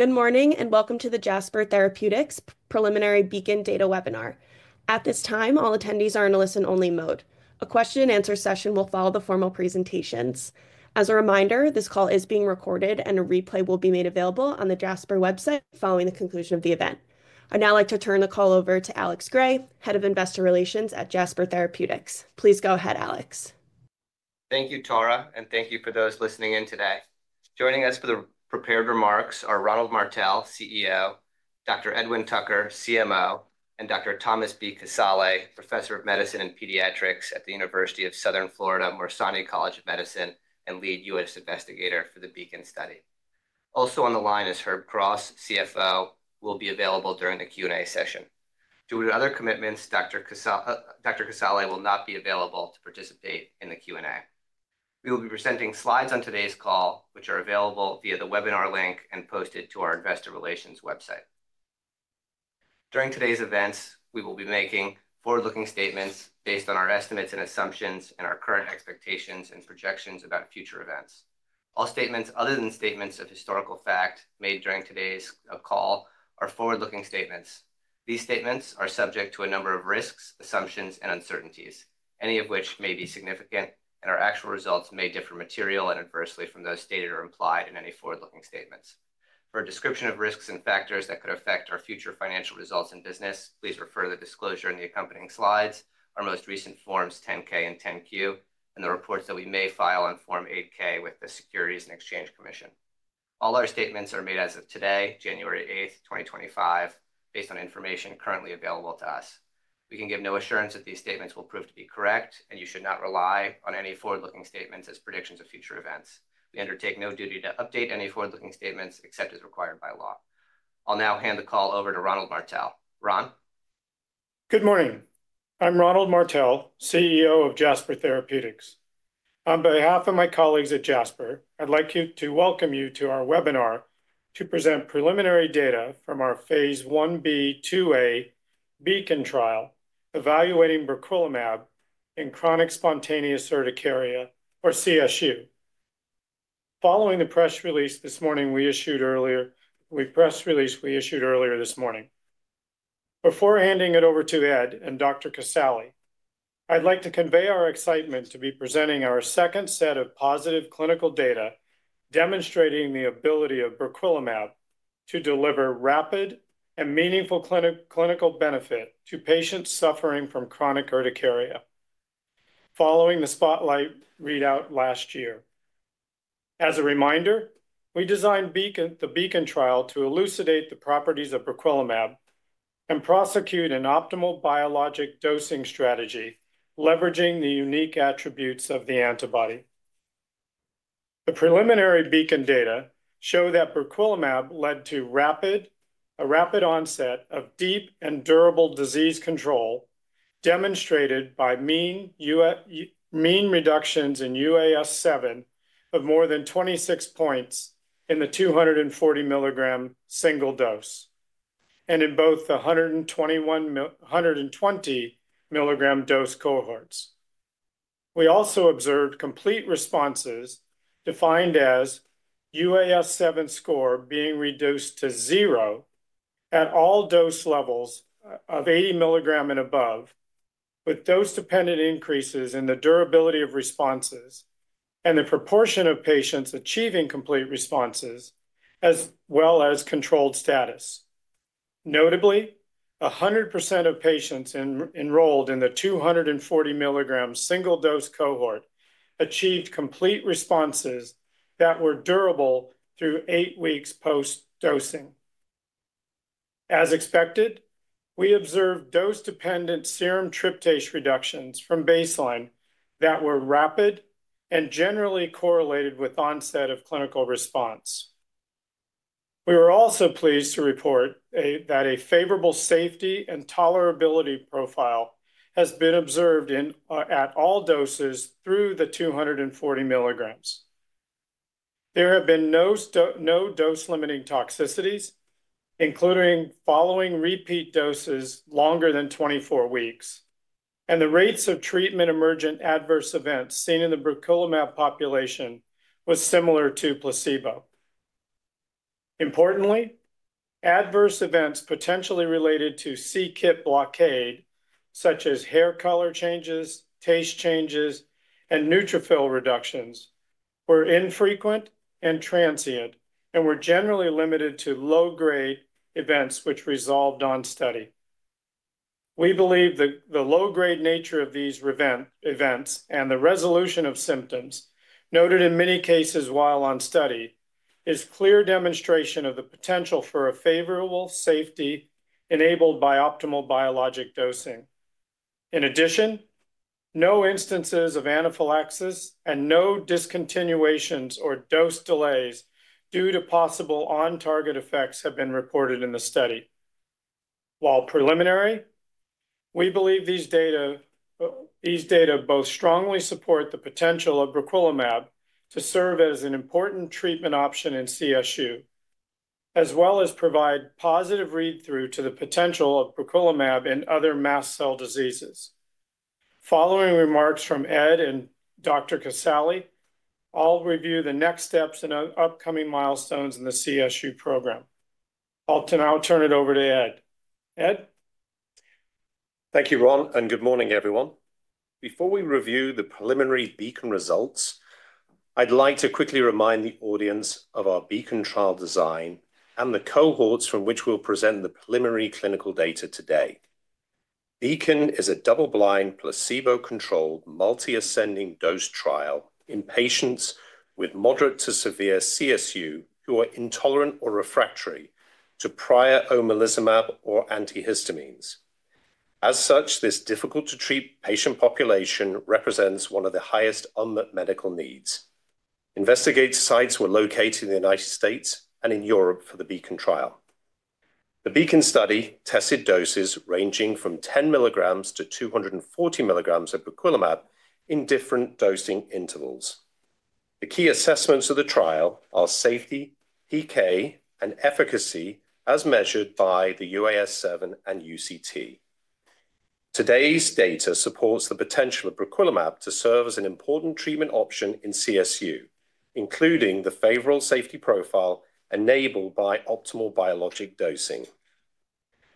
Good morning, and welcome to the Jasper Therapeutics Preliminary Beacon Data Webinar. At this time, all attendees are in a listen-only mode. A question-and-answer session will follow the formal presentations. As a reminder, this call is being recorded, and a replay will be made available on the Jasper website following the conclusion of the event. I'd now like to turn the call over to Alex Gray, Head of Investor Relations at Jasper Therapeutics. Please go ahead, Alex. Thank you, Tora, and thank you for those listening in today. Joining us for the prepared remarks are Ronald Martell, CEO, Dr. Edwin Tucker, CMO, and Dr. Thomas B. Casale, Professor of Medicine and Pediatrics at the University of South Florida Morsani College of Medicine and lead U.S. investigator for the Beacon study. Also on the line is Herb Cross, CFO, who will be available during the Q&A session. Due to other commitments, Dr. Casale will not be available to participate in the Q&A. We will be presenting slides on today's call, which are available via the webinar link and posted to our Investor Relations website. During today's events, we will be making forward-looking statements based on our estimates and assumptions and our current expectations and projections about future events. All statements other than statements of historical fact made during today's call are forward-looking statements. These statements are subject to a number of risks, assumptions, and uncertainties, any of which may be significant, and our actual results may differ materially and adversely from those stated or implied in any forward-looking statements. For a description of risks and factors that could affect our future financial results and business, please refer to the disclosure in the accompanying slides, our most recent forms 10-K and 10-Q, and the reports that we may file on Form 8-K with the Securities and Exchange Commission. All our statements are made as of today, January 8, 2025, based on information currently available to us. We can give no assurance that these statements will prove to be correct, and you should not rely on any forward-looking statements as predictions of future events. We undertake no duty to update any forward-looking statements except as required by law. I'll now hand the call over to Ronald Martell. Ron? Good morning. I'm Ronald Martell, CEO of Jasper Therapeutics. On behalf of my colleagues at Jasper, I'd like to welcome you to our webinar to present preliminary data from our phase 1b/2a BEACON trial evaluating briquilimab in chronic spontaneous urticaria, or CSU. Following the press release we issued earlier this morning. Before handing it over to Ed and Dr. Casale, I'd like to convey our excitement to be presenting our second set of positive clinical data demonstrating the ability of briquilimab to deliver rapid and meaningful clinical benefit to patients suffering from chronic urticaria, following the SPOTLIGHT readout last year. As a reminder, we designed the BEACON trial to elucidate the properties of briquilimab and prosecute an optimal biologic dosing strategy, leveraging the unique attributes of the antibody. The preliminary BEACON data show that briquilimab led to a rapid onset of deep and durable disease control, demonstrated by mean reductions in UAS7 of more than 26 points in the 240-milligram single dose and in both the 120-milligram dose cohorts. We also observed complete responses defined as UAS7 score being reduced to zero at all dose levels of 80 milligrams and above, with dose-dependent increases in the durability of responses and the proportion of patients achieving complete responses, as well as controlled status. Notably, 100% of patients enrolled in the 240-milligram single dose cohort achieved complete responses that were durable through eight weeks post-dosing. As expected, we observed dose-dependent serum tryptase reductions from baseline that were rapid and generally correlated with onset of clinical response. We were also pleased to report that a favorable safety and tolerability profile has been observed at all doses through the 240 milligrams. There have been no dose-limiting toxicities, including following repeat doses longer than 24 weeks, and the rates of treatment-emergent adverse events seen in the briquilimab population were similar to placebo. Importantly, adverse events potentially related to c-Kit blockade, such as hair color changes, taste changes, and neutrophil reductions, were infrequent and transient and were generally limited to low-grade events which resolved on study. We believe the low-grade nature of these events and the resolution of symptoms noted in many cases while on study is clear demonstration of the potential for a favorable safety enabled by optimal biologic dosing. In addition, no instances of anaphylaxis and no discontinuations or dose delays due to possible on-target effects have been reported in the study. While preliminary, we believe these data both strongly support the potential of briquilimab to serve as an important treatment option in CSU, as well as provide positive read-through to the potential of briquilimab in other mast cell diseases. Following remarks from Ed and Dr. Casale, I'll review the next steps and upcoming milestones in the CSU program. I'll now turn it over to Ed. Ed? Thank you, Ron, and good morning, everyone. Before we review the preliminary BEACON results, I'd like to quickly remind the audience of our BEACON trial design and the cohorts from which we'll present the preliminary clinical data today. BEACON is a double-blind, placebo-controlled, multi-ascending dose trial in patients with moderate to severe CSU who are intolerant or refractory to prior omalizumab or antihistamines. As such, this difficult-to-treat patient population represents one of the highest unmet medical needs. Investigative sites were located in the United States and in Europe for the BEACON trial. The BEACON study tested doses ranging from 10 milligrams to 240 milligrams of briquilimab in different dosing intervals. The key assessments of the trial are safety, PK, and efficacy as measured by the UAS7 and UCT. Today's data supports the potential of briquilimab to serve as an important treatment option in CSU, including the favorable safety profile enabled by optimal biologic dosing.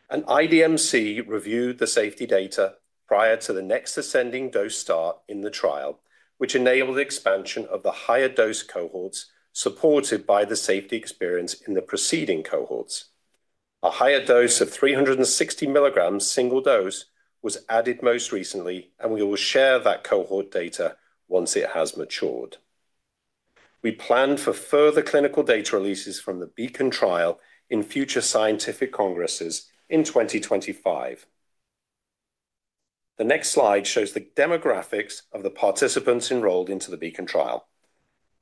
An IDMC reviewed the safety data prior to the next ascending dose start in the trial, which enabled the expansion of the higher dose cohorts supported by the safety experience in the preceding cohorts. A higher dose of 360 milligrams single dose was added most recently, and we will share that cohort data once it has matured. We plan for further clinical data releases from the BEACON trial in future scientific congresses in 2025. The next slide shows the demographics of the participants enrolled into the BEACON trial.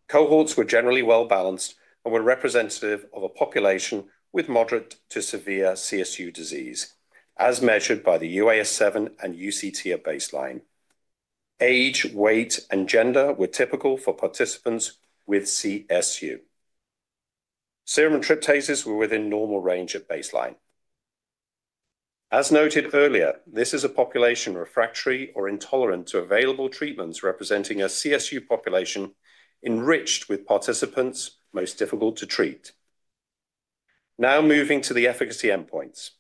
Cohorts were generally well-balanced and were representative of a population with moderate to severe CSU disease, as measured by the UAS7 and UCT at baseline. Age, weight, and gender were typical for participants with CSU. Serum tryptases were within normal range at baseline. As noted earlier, this is a population refractory or intolerant to available treatments representing a CSU population enriched with participants most difficult to treat. Now moving to the efficacy endpoints.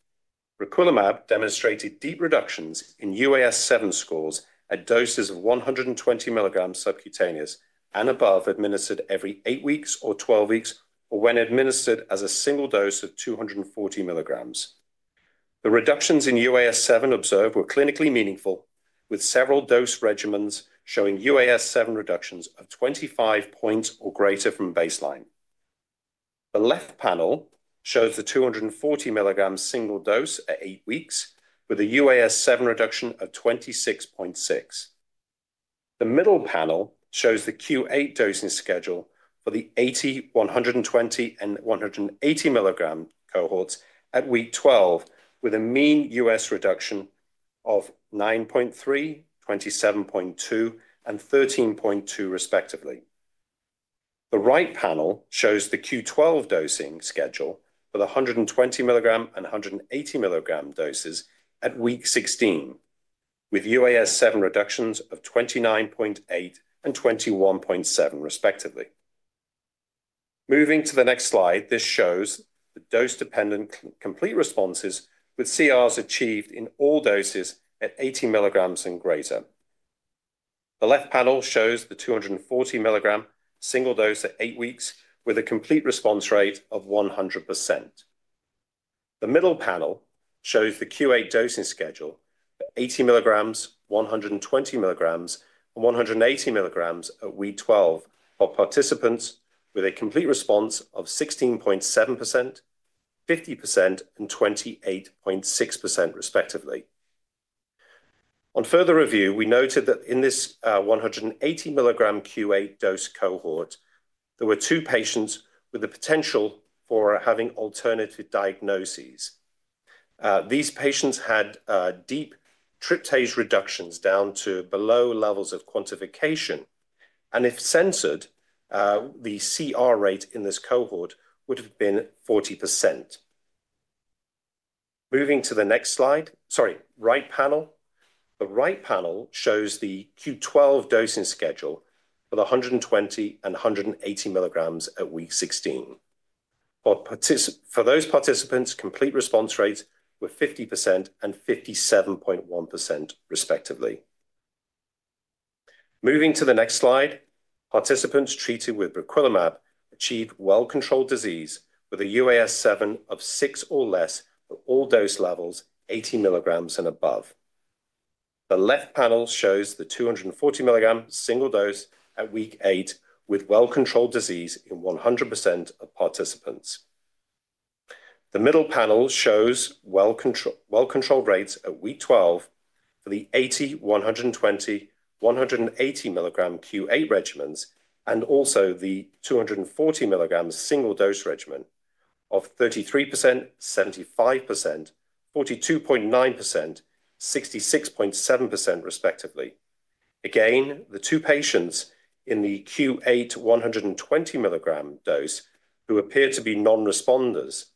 Briquilimab demonstrated deep reductions in UAS7 scores at doses of 120 milligrams subcutaneous and above administered every eight weeks or 12 weeks, or when administered as a single dose of 240 milligrams. The reductions in UAS7 observed were clinically meaningful, with several dose regimens showing UAS7 reductions of 25 points or greater from baseline. The left panel shows the 240 milligrams single dose at eight weeks, with a UAS7 reduction of 26.6. The middle panel shows the Q8 dosing schedule for the 80 milligram, 120 milligram, and 180 milligram cohorts at week 12, with a mean UAS7 reduction of 9.3, 27.2, and 13.2, respectively. The right panel shows the Q12 dosing schedule for the 120 milligram and 180 milligram doses at week 16, with UAS7 reductions of 29.8 and 21.7, respectively. Moving to the next slide, this shows the dose-dependent complete responses with CRs achieved in all doses at 80 milligrams and greater. The left panel shows the 240 milligram single dose at eight weeks, with a complete response rate of 100%. The middle panel shows the Q8 dosing schedule for 80 milligrams, 120 milligrams, and 180 milligrams at week 12 for participants with a complete response of 16.7%, 50%, and 28.6%, respectively. On further review, we noted that in this 180-milligram Q8 dose cohort, there were two patients with the potential for having alternative diagnoses. These patients had deep tryptase reductions down to below levels of quantification, and if censored, the CR rate in this cohort would have been 40%. Moving to the next slide, sorry, right panel. The right panel shows the Q12 dosing schedule for the 120 and 180 milligrams at week 16. For those participants, complete response rates were 50% and 57.1%, respectively. Moving to the next slide, participants treated with briquilimab achieved well-controlled disease with a UAS7 of six or less for all dose levels, 80 milligrams and above. The left panel shows the 240-milligram single dose at week eight with well-controlled disease in 100% of participants. The middle panel shows well-controlled rates at week 12 for the 80 milligram, 120 milligram, 180-milligram Q8 regimens and also the 240-milligram single dose regimen of 33%, 75%, 42.9%, 66.7%, respectively. Again, the two patients in the Q8 120-milligram dose who appear to be non-responders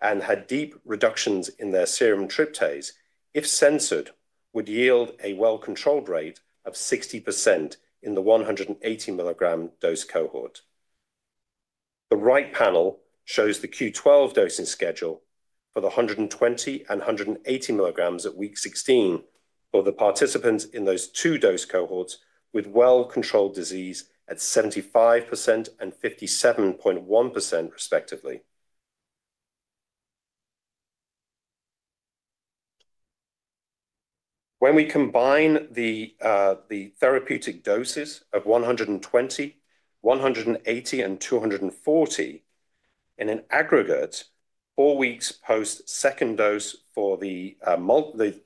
and had deep reductions in their serum tryptase, if censored, would yield a well-controlled rate of 60% in the 180-milligram dose cohort. The right panel shows the Q12 dosing schedule for the 120 milligram and 180 milligrams at week 16 for the participants in those two dose cohorts with well-controlled disease at 75% and 57.1%, respectively. When we combine the therapeutic doses of 120 milligram, 180 milligram, and 240 milligram in an aggregate four weeks post-second dose for the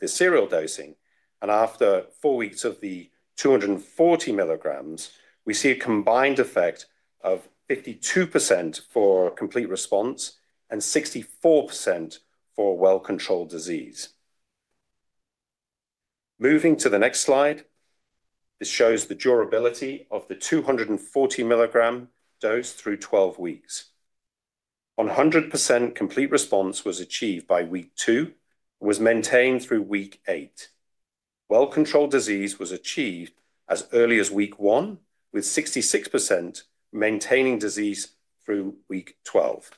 serial dosing and after four weeks of the 240 milligrams, we see a combined effect of 52% for complete response and 64% for well-controlled disease. Moving to the next slide, this shows the durability of the 240-milligram dose through 12 weeks. 100% complete response was achieved by week two and was maintained through week eight. Well-controlled disease was achieved as early as week one, with 66% maintaining disease through week 12.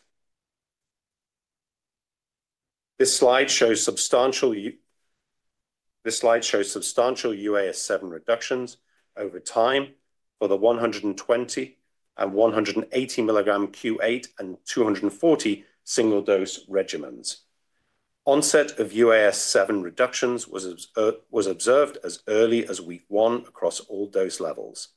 This slide shows substantial UAS7 reductions over time for the 120 milligram and 180-milligram Q8 and 240 single dose regimens. Onset of UAS7 reductions was observed as early as week one across all dose levels.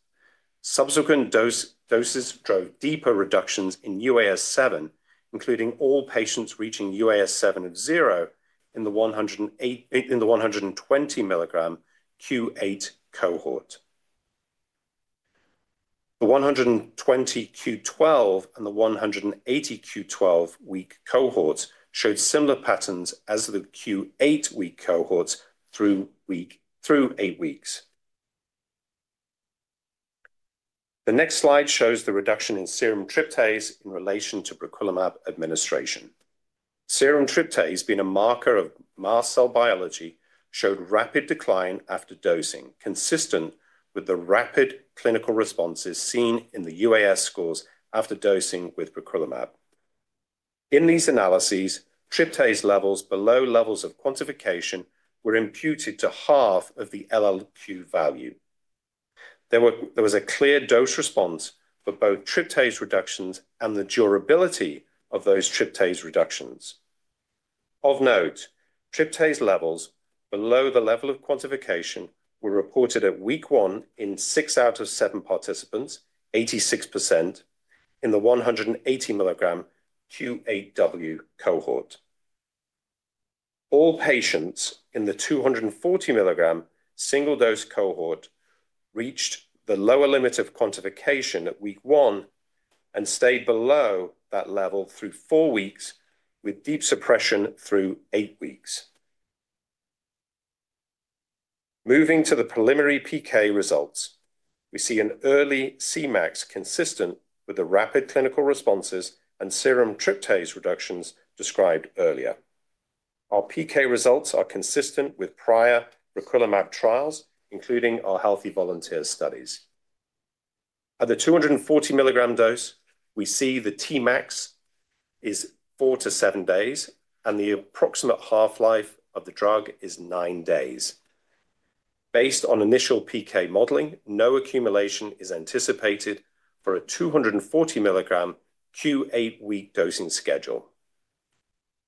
Subsequent doses drove deeper reductions in UAS7, including all patients reaching UAS7 of zero in the 120-milligram Q8 cohort. The 120 Q12 and the 180 milligram Q12 week cohorts showed similar patterns as the Q8 week cohorts through eight weeks. The next slide shows the reduction in serum tryptase in relation to briquilimab administration. Serum tryptase, being a marker of mast cell biology, showed rapid decline after dosing, consistent with the rapid clinical responses seen in the UAS scores after dosing with briquilimab. In these analyses, tryptase levels below levels of quantification were imputed to half of the LLOQ value. There was a clear dose response for both tryptase reductions and the durability of those tryptase reductions. Of note, tryptase levels below the level of quantification were reported at week one in six out of seven participants, 86%, in the 180-milligram Q8W cohort. All patients in the 240-milligram single dose cohort reached the lower limit of quantification at week one and stayed below that level through four weeks, with deep suppression through eight weeks. Moving to the preliminary PK results, we see an early Cmax consistent with the rapid clinical responses and serum tryptase reductions described earlier. Our PK results are consistent with prior briquilimab trials, including our healthy volunteer studies. At the 240-milligram dose, we see the Tmax is four to seven days, and the approximate half-life of the drug is nine days. Based on initial PK modeling, no accumulation is anticipated for a 240-milligram Q8 week dosing schedule.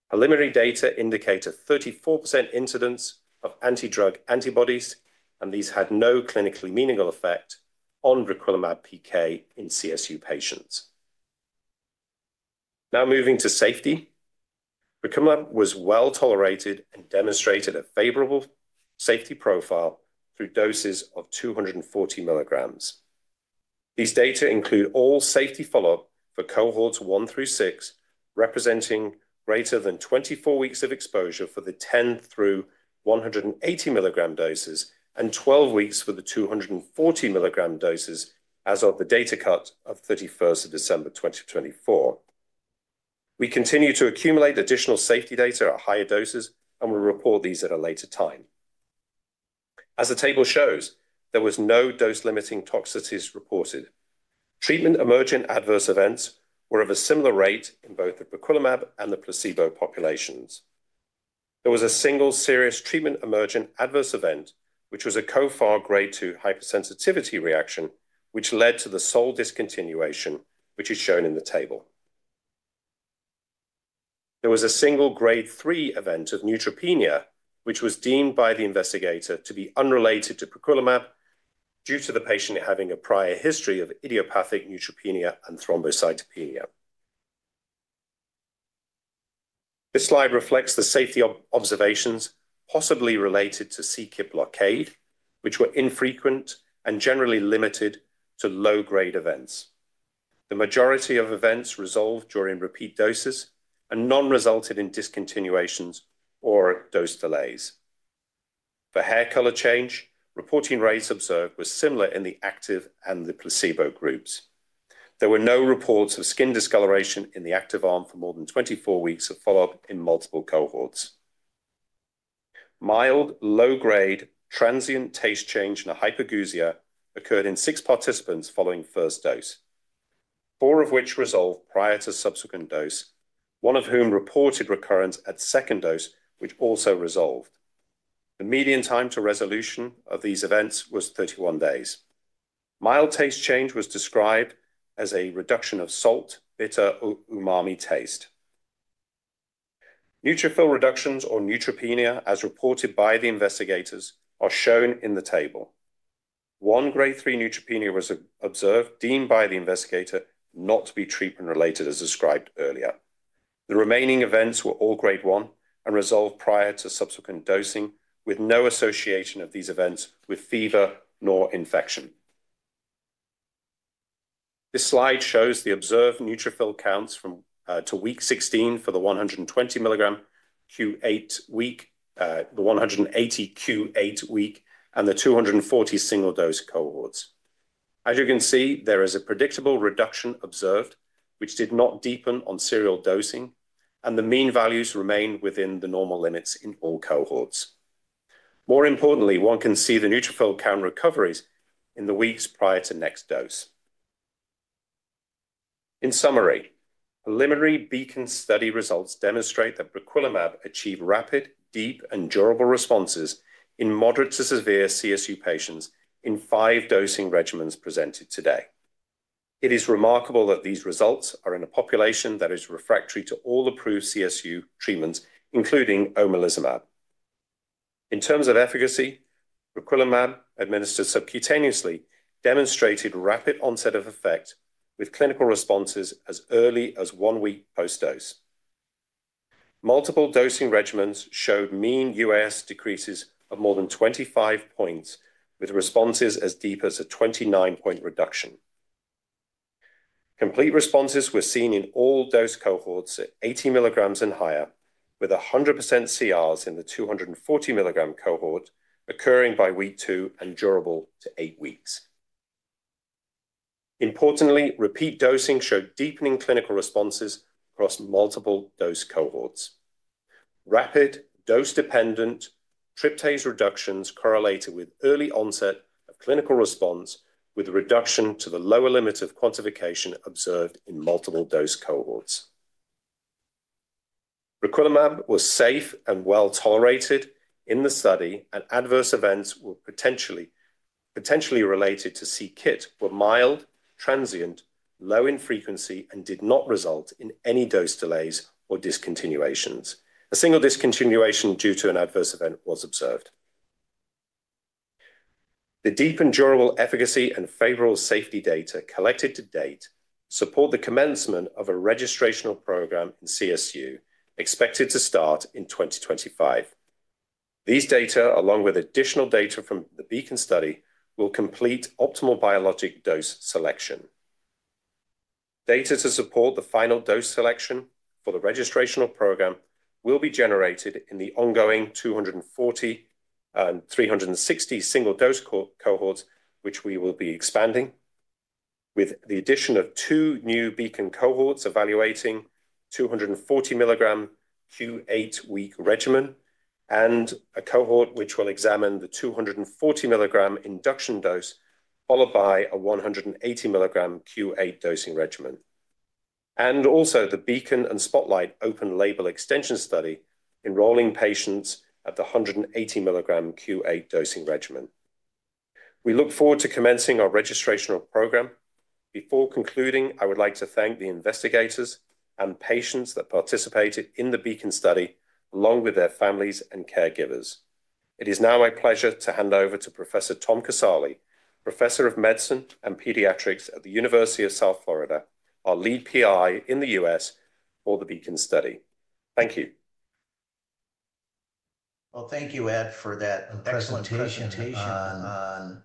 Preliminary data indicate a 34% incidence of antidrug antibodies, and these had no clinically meaningful effect on briquilimab PK in CSU patients. Now moving to safety, briquilimab was well tolerated and demonstrated a favorable safety profile through doses of 240 milligrams. These data include all safety follow-up for cohorts one through six, representing greater than 24 weeks of exposure for the 10 through 180-milligram doses and 12 weeks for the 240-milligram doses as of the data cut of 31st of December 2024. We continue to accumulate additional safety data at higher doses, and we'll report these at a later time. As the table shows, there was no dose-limiting toxicities reported. Treatment emergent adverse events were of a similar rate in both the briquilimab and the placebo populations. There was a single serious treatment emergent adverse event, which was a COFAR grade 2 hypersensitivity reaction, which led to the sole discontinuation, which is shown in the table. There was a single grade 3 event of neutropenia, which was deemed by the investigator to be unrelated to briquilimab due to the patient having a prior history of idiopathic neutropenia and thrombocytopenia. This slide reflects the safety observations possibly related to c-Kit blockade, which were infrequent and generally limited to low-grade events. The majority of events resolved during repeat doses and did not result in discontinuations or dose delays. The hair color change reporting rates observed were similar in the active and the placebo groups. There were no reports of skin discoloration in the active arm for more than 24 weeks of follow-up in multiple cohorts. Mild low-grade transient taste change and a hypogeusia occurred in six participants following first dose, four of which resolved prior to subsequent dose, one of whom reported recurrence at second dose, which also resolved. The median time to resolution of these events was 31 days. Mild taste change was described as a reduction of salt, bitter, or umami taste. Neutrophil reductions or neutropenia, as reported by the investigators, are shown in the table. One grade 3 neutropenia was observed, deemed by the investigator not to be treatment-related, as described earlier. The remaining events were all grade 1 and resolved prior to subsequent dosing, with no association of these events with fever nor infection. This slide shows the observed neutrophil counts from week 16 for the 120-milligram Q8 week, the 180 Q8 week, and the 240 single dose cohorts. As you can see, there is a predictable reduction observed, which did not deepen on serial dosing, and the mean values remain within the normal limits in all cohorts. More importantly, one can see the neutrophil count recoveries in the weeks prior to next dose. In summary, preliminary BEACON study results demonstrate that briquilimab achieved rapid, deep, and durable responses in moderate to severe CSU patients in five dosing regimens presented today. It is remarkable that these results are in a population that is refractory to all approved CSU treatments, including omalizumab. In terms of efficacy, briquilimab administered subcutaneously demonstrated rapid onset of effect with clinical responses as early as one week post-dose. Multiple dosing regimens showed mean UAS decreases of more than 25 points, with responses as deep as a 29-point reduction. Complete responses were seen in all dose cohorts at 80 milligrams and higher, with 100% CRs in the 240-milligram cohort occurring by week two and durable to eight weeks. Importantly, repeat dosing showed deepening clinical responses across multiple dose cohorts. Rapid dose-dependent tryptase reductions correlated with early onset of clinical response, with reduction to the lower limits of quantification observed in multiple dose cohorts. Briquilimab was safe and well tolerated in the study, and adverse events were potentially related to c-Kit, were mild, transient, low in frequency, and did not result in any dose delays or discontinuations. A single discontinuation due to an adverse event was observed. The deep and durable efficacy and favorable safety data collected to date support the commencement of a registrational program in CSU expected to start in 2025. These data, along with additional data from the BEACON study, will complete optimal biologic dose selection. Data to support the final dose selection for the registrational program will be generated in the ongoing 240 and 360 single dose cohorts, which we will be expanding, with the addition of two new BEACON cohorts evaluating 240-milligram Q8 week regimen and a cohort which will examine the 240-milligram induction dose, followed by a 180-milligram Q8 dosing regimen, and also the BEACON and SPOTLIGHT open-label extension study enrolling patients at the 180-milligram Q8 dosing regimen. We look forward to commencing our registrational program. Before concluding, I would like to thank the investigators and patients that participated in the BEACON study, along with their families and caregivers. It is now my pleasure to hand over to Professor Thomas B. Casale, Professor of Medicine and Pediatrics at the University of South Florida Morsani College of Medicine, our lead PI in the U.S. for the BEACON study. Thank you. Thank you, Ed, for that excellent presentation on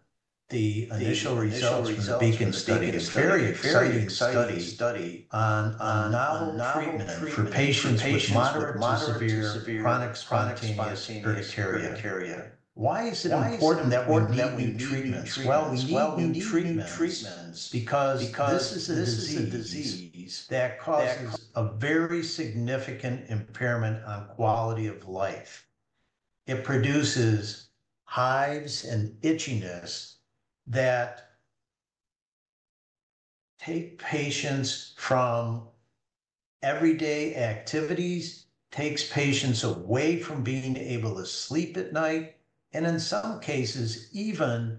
the initial results of the BEACON study. It's a very exciting study on novel treatment for patients with moderate to severe chronic spontaneous urticaria. Why is it important that we do treatments? We do treatments because this is a disease that causes a very significant impairment on quality of life. It produces hives and itchiness that take patients from everyday activities, takes patients away from being able to sleep at night, and in some cases, even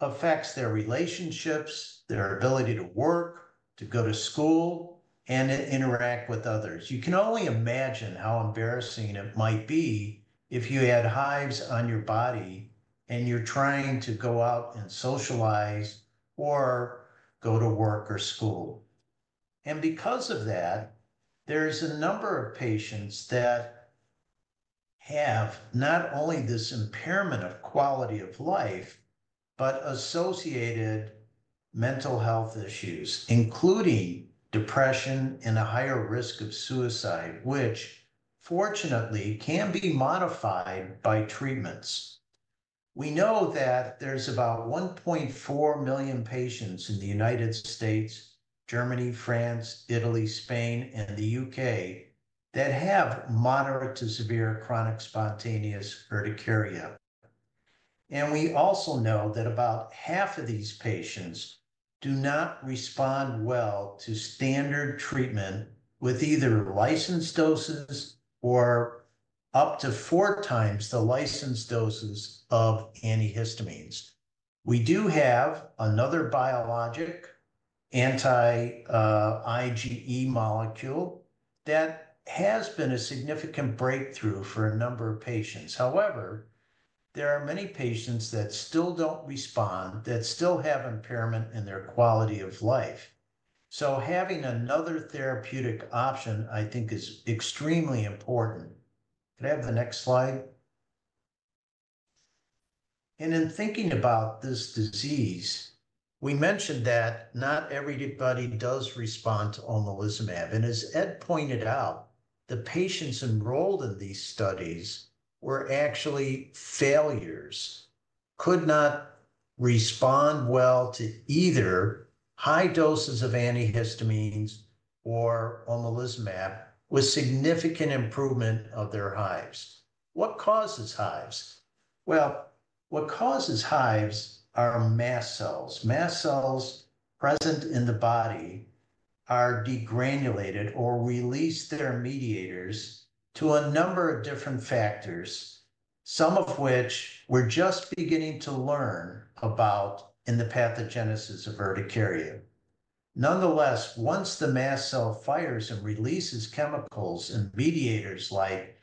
affects their relationships, their ability to work, to go to school, and to interact with others. You can only imagine how embarrassing it might be if you had hives on your body and you're trying to go out and socialize or go to work or school. Because of that, there's a number of patients that have not only this impairment of quality of life, but associated mental health issues, including depression and a higher risk of suicide, which fortunately can be modified by treatments. We know that there's about 1.4 million patients in the United States, Germany, France, Italy, Spain, and the U.K. that have moderate to severe chronic spontaneous urticaria. We also know that about half of these patients do not respond well to standard treatment with either licensed doses or up to four times the licensed doses of antihistamines. We do have another biologic anti-IgE molecule that has been a significant breakthrough for a number of patients. However, there are many patients that still don't respond, that still have impairment in their quality of life. Having another therapeutic option, I think, is extremely important. Could I have the next slide? In thinking about this disease, we mentioned that not everybody does respond to omalizumab. As Ed pointed out, the patients enrolled in these studies were actually failures, could not respond well to either high doses of antihistamines or omalizumab with significant improvement of their hives. What causes hives? What causes hives are mast cells. Mast cells present in the body are degranulated or release their mediators to a number of different factors, some of which we're just beginning to learn about in the pathogenesis of urticaria. Nonetheless, once the mast cell fires and releases chemicals and mediators like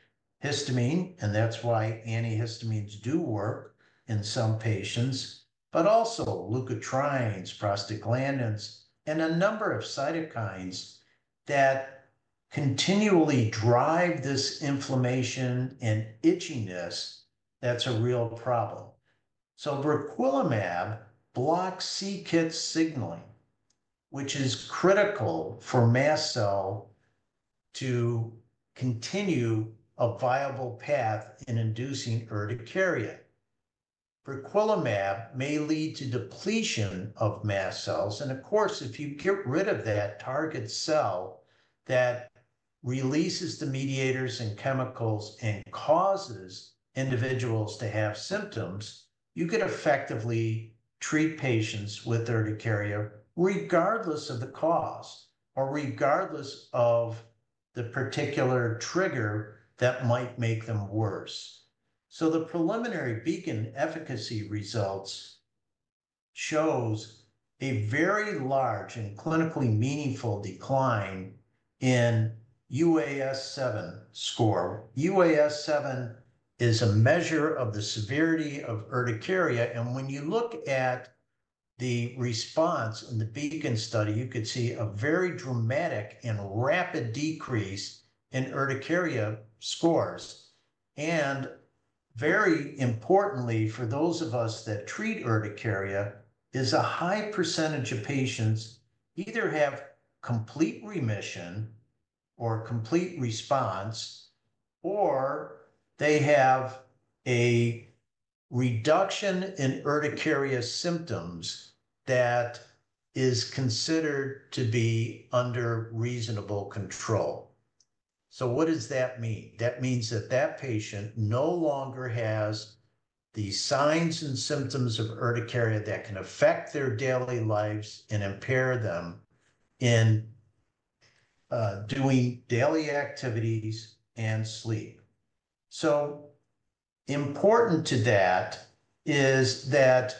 histamine, and that's why antihistamines do work in some patients, but also leukotrienes, prostaglandins, and a number of cytokines that continually drive this inflammation and itchiness, that's a real problem. Briquilimab blocks c-Kit signaling, which is critical for mast cell to continue a viable path in inducing urticaria. Briquilimab may lead to depletion of mast cells. And of course, if you get rid of that target cell that releases the mediators and chemicals and causes individuals to have symptoms, you could effectively treat patients with urticaria regardless of the cause or regardless of the particular trigger that might make them worse. So the preliminary BEACON efficacy results show a very large and clinically meaningful decline in UAS7 score. UAS7 is a measure of the severity of urticaria. And when you look at the response in the BEACON study, you could see a very dramatic and rapid decrease in urticaria scores. And very importantly, for those of us that treat urticaria, is a high percentage of patients either have complete remission or complete response, or they have a reduction in urticaria symptoms that is considered to be under reasonable control. So what does that mean? That means that that patient no longer has the signs and symptoms of urticaria that can affect their daily lives and impair them in doing daily activities and sleep. So important to that is that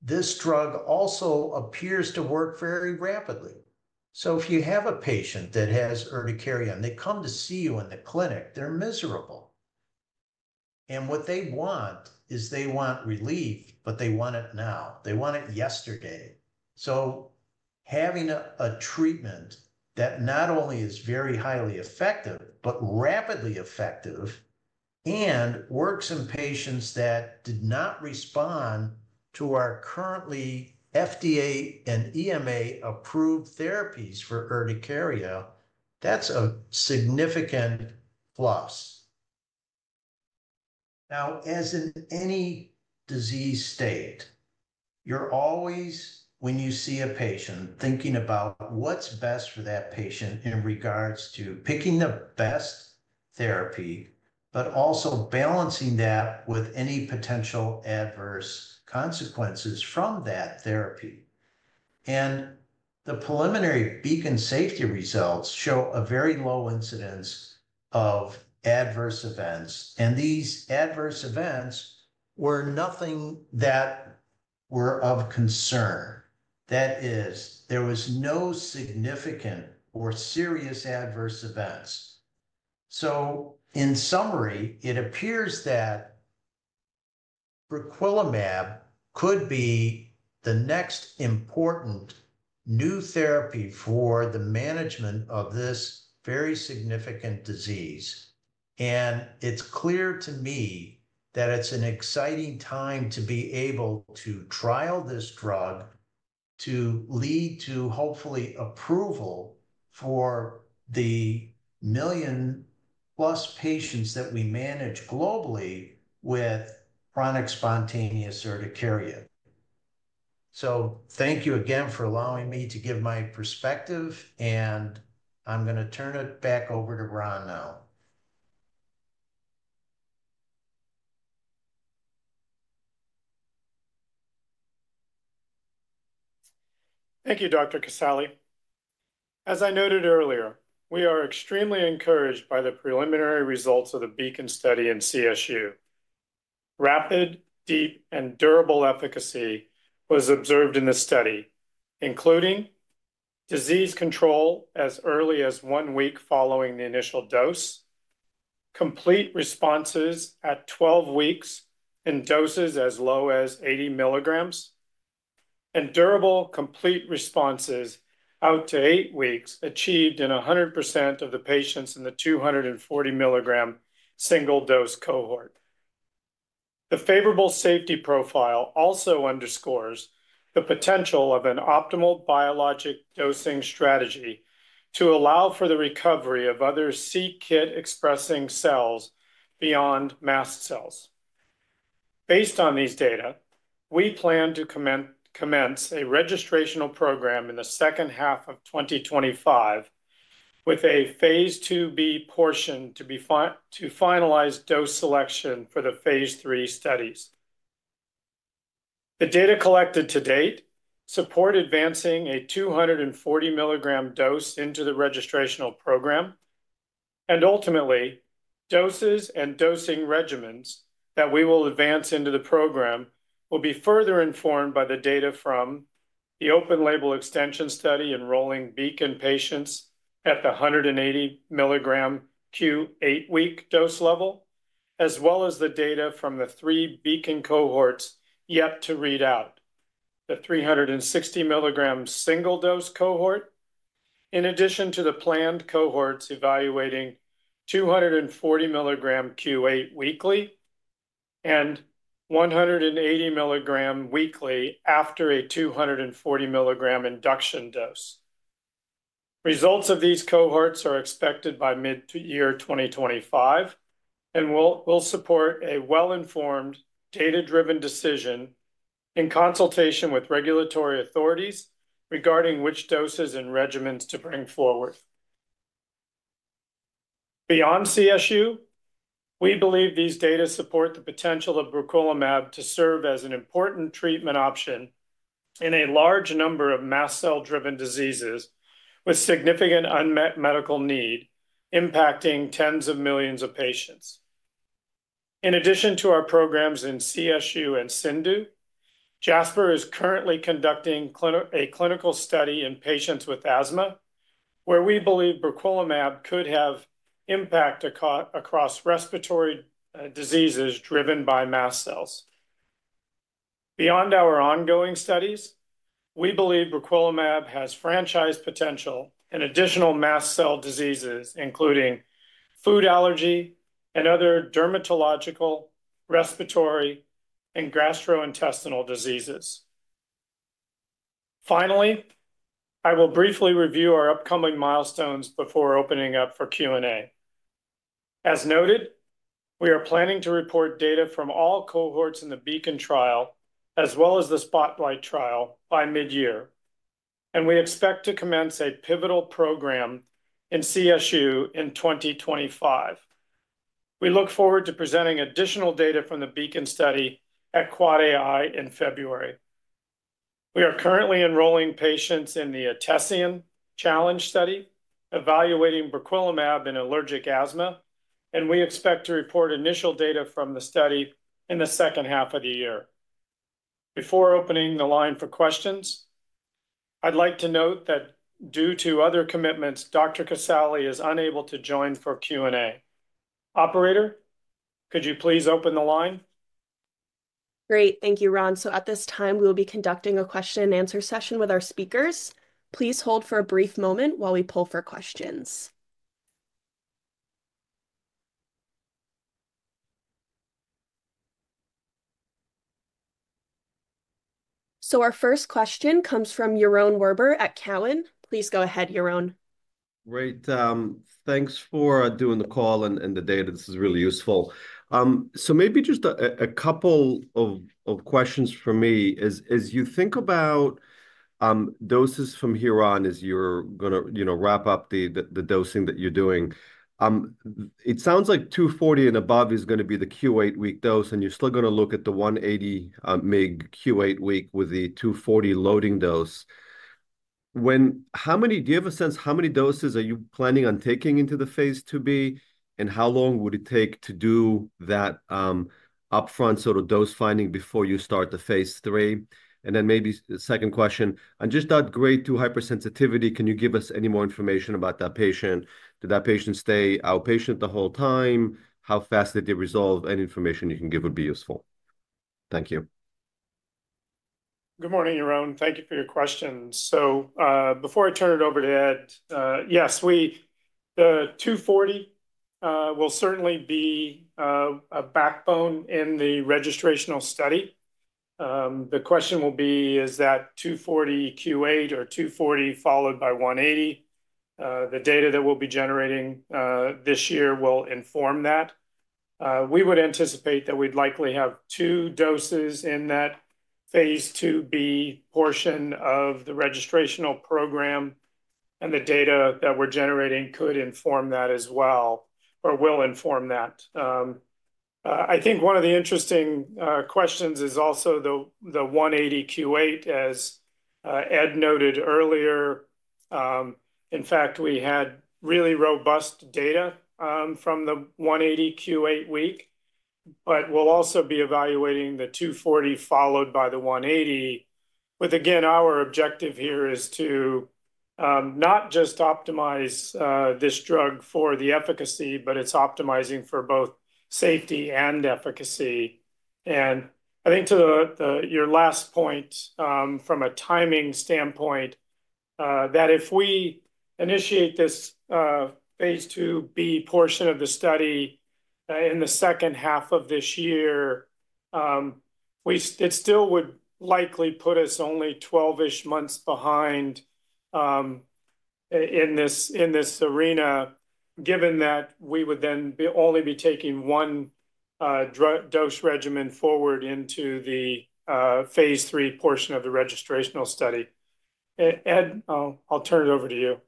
this drug also appears to work very rapidly. So if you have a patient that has urticaria and they come to see you in the clinic, they're miserable. And what they want is they want relief, but they want it now. They want it yesterday. So having a treatment that not only is very highly effective, but rapidly effective, and works in patients that did not respond to our currently FDA and EMA approved therapies for urticaria, that's a significant plus. Now, as in any disease state, you're always, when you see a patient, thinking about what's best for that patient in regards to picking the best therapy, but also balancing that with any potential adverse consequences from that therapy. And the preliminary BEACON safety results show a very low incidence of adverse events. And these adverse events were nothing that were of concern. That is, there was no significant or serious adverse events. So in summary, it appears that briquilimab could be the next important new therapy for the management of this very significant disease. And it's clear to me that it's an exciting time to be able to trial this drug to lead to hopefully approval for the million-plus patients that we manage globally with chronic spontaneous urticaria. So thank you again for allowing me to give my perspective. I'm going to turn it back over to Ron now. Thank you, Dr. Casale. As I noted earlier, we are extremely encouraged by the preliminary results of the BEACON study in CSU. Rapid, deep, and durable efficacy was observed in the study, including disease control as early as one week following the initial dose, complete responses at 12 weeks in doses as low as 80 milligrams, and durable complete responses out to eight weeks achieved in 100% of the patients in the 240-milligram single dose cohort. The favorable safety profile also underscores the potential of an optimal biologic dosing strategy to allow for the recovery of other c-Kit-expressing cells beyond mast cells. Based on these data, we plan to commence a registrational program in the second half of 2025 with a phase II-B portion to finalize dose selection for the phase III studies. The data collected to date support advancing a 240-milligram dose into the registrational program. Ultimately, doses and dosing regimens that we will advance into the program will be further informed by the data from the open-label extension study enrolling BEACON patients at the 180-mg Q8 week dose level, as well as the data from the three BEACON cohorts yet to read out, the 360-mg single dose cohort, in addition to the planned cohorts evaluating 240-mg Q8 weekly and 180-mg weekly after a 240-mg induction dose. Results of these cohorts are expected by mid-year 2025, and we'll support a well-informed, data-driven decision in consultation with regulatory authorities regarding which doses and regimens to bring forward. Beyond CSU, we believe these data support the potential of briquilimab to serve as an important treatment option in a large number of mast cell-driven diseases with significant unmet medical need impacting tens of millions of patients. In addition to our programs in CSU and CIndU, Jasper is currently conducting a clinical study in patients with asthma where we believe briquilimab could have impact across respiratory diseases driven by mast cells. Beyond our ongoing studies, we believe briquilimab has franchise potential in additional mast cell diseases, including food allergy and other dermatological, respiratory, and gastrointestinal diseases. Finally, I will briefly review our upcoming milestones before opening up for Q&A. As noted, we are planning to report data from all cohorts in the BEACON trial as well as the SPOTLIGHT trial by mid-year. We expect to commence a pivotal program in CSU in 2025. We look forward to presenting additional data from the BEACON study at AAAAI in February. We are currently enrolling patients in the ATESIAN challenge study evaluating briquilimab in allergic asthma, and we expect to report initial data from the study in the second half of the year. Before opening the line for questions, I'd like to note that due to other commitments, Dr. Thomas B. Casale is unable to join for Q&A. Operator, could you please open the line? Great. Thank you, Ron. So at this time, we will be conducting a question-and-answer session with our speakers. Please hold for a brief moment while we pull for questions. So our first question comes from Yaron Werber at Cowen. Please go ahead, Yaron. Great. Thanks for doing the call and the data. This is really useful. So maybe just a couple of questions for me. As you think about doses from here on, as you're going to wrap up the dosing that you're doing, it sounds like 240 milligram and above is going to be the Q8-week dose, and you're still going to look at the 180-mg Q8-week with the 240 milligram loading dose. Do you have a sense how many doses are you planning on taking into the phase II-B, and how long would it take to do that upfront sort of dose finding before you start the phase III? And then maybe the second question, on just that grade 2 hypersensitivity, can you give us any more information about that patient? Did that patient stay outpatient the whole time? How fast did they resolve? Any information you can give would be useful. Thank you. Good morning, Yaron. Thank you for your questions. Before I turn it over to Ed, yes, the 240 milligram will certainly be a backbone in the registrational study. The question will be, is that 240 milligram Q8 or 240 milligram followed by 180 milligram? The data that we'll be generating this year will inform that. We would anticipate that we'd likely have two doses in that phase II-B portion of the registrational program, and the data that we're generating could inform that as well, or will inform that. I think one of the interesting questions is also the 180 milligram Q8, as Ed noted earlier. In fact, we had really robust data from the 180 milligram Q8 week, but we'll also be evaluating the 240 milligram followed by the 180 milligram, with, again, our objective here is to not just optimize this drug for the efficacy, but it's optimizing for both safety and efficacy. And I think to your last point, from a timing standpoint, that if we initiate this phase II-B portion of the study in the second half of this year, it still would likely put us only 12-ish months behind in this arena, given that we would then only be taking one dose regimen forward into the phase III portion of the registrational study. Ed, I'll turn it over to you.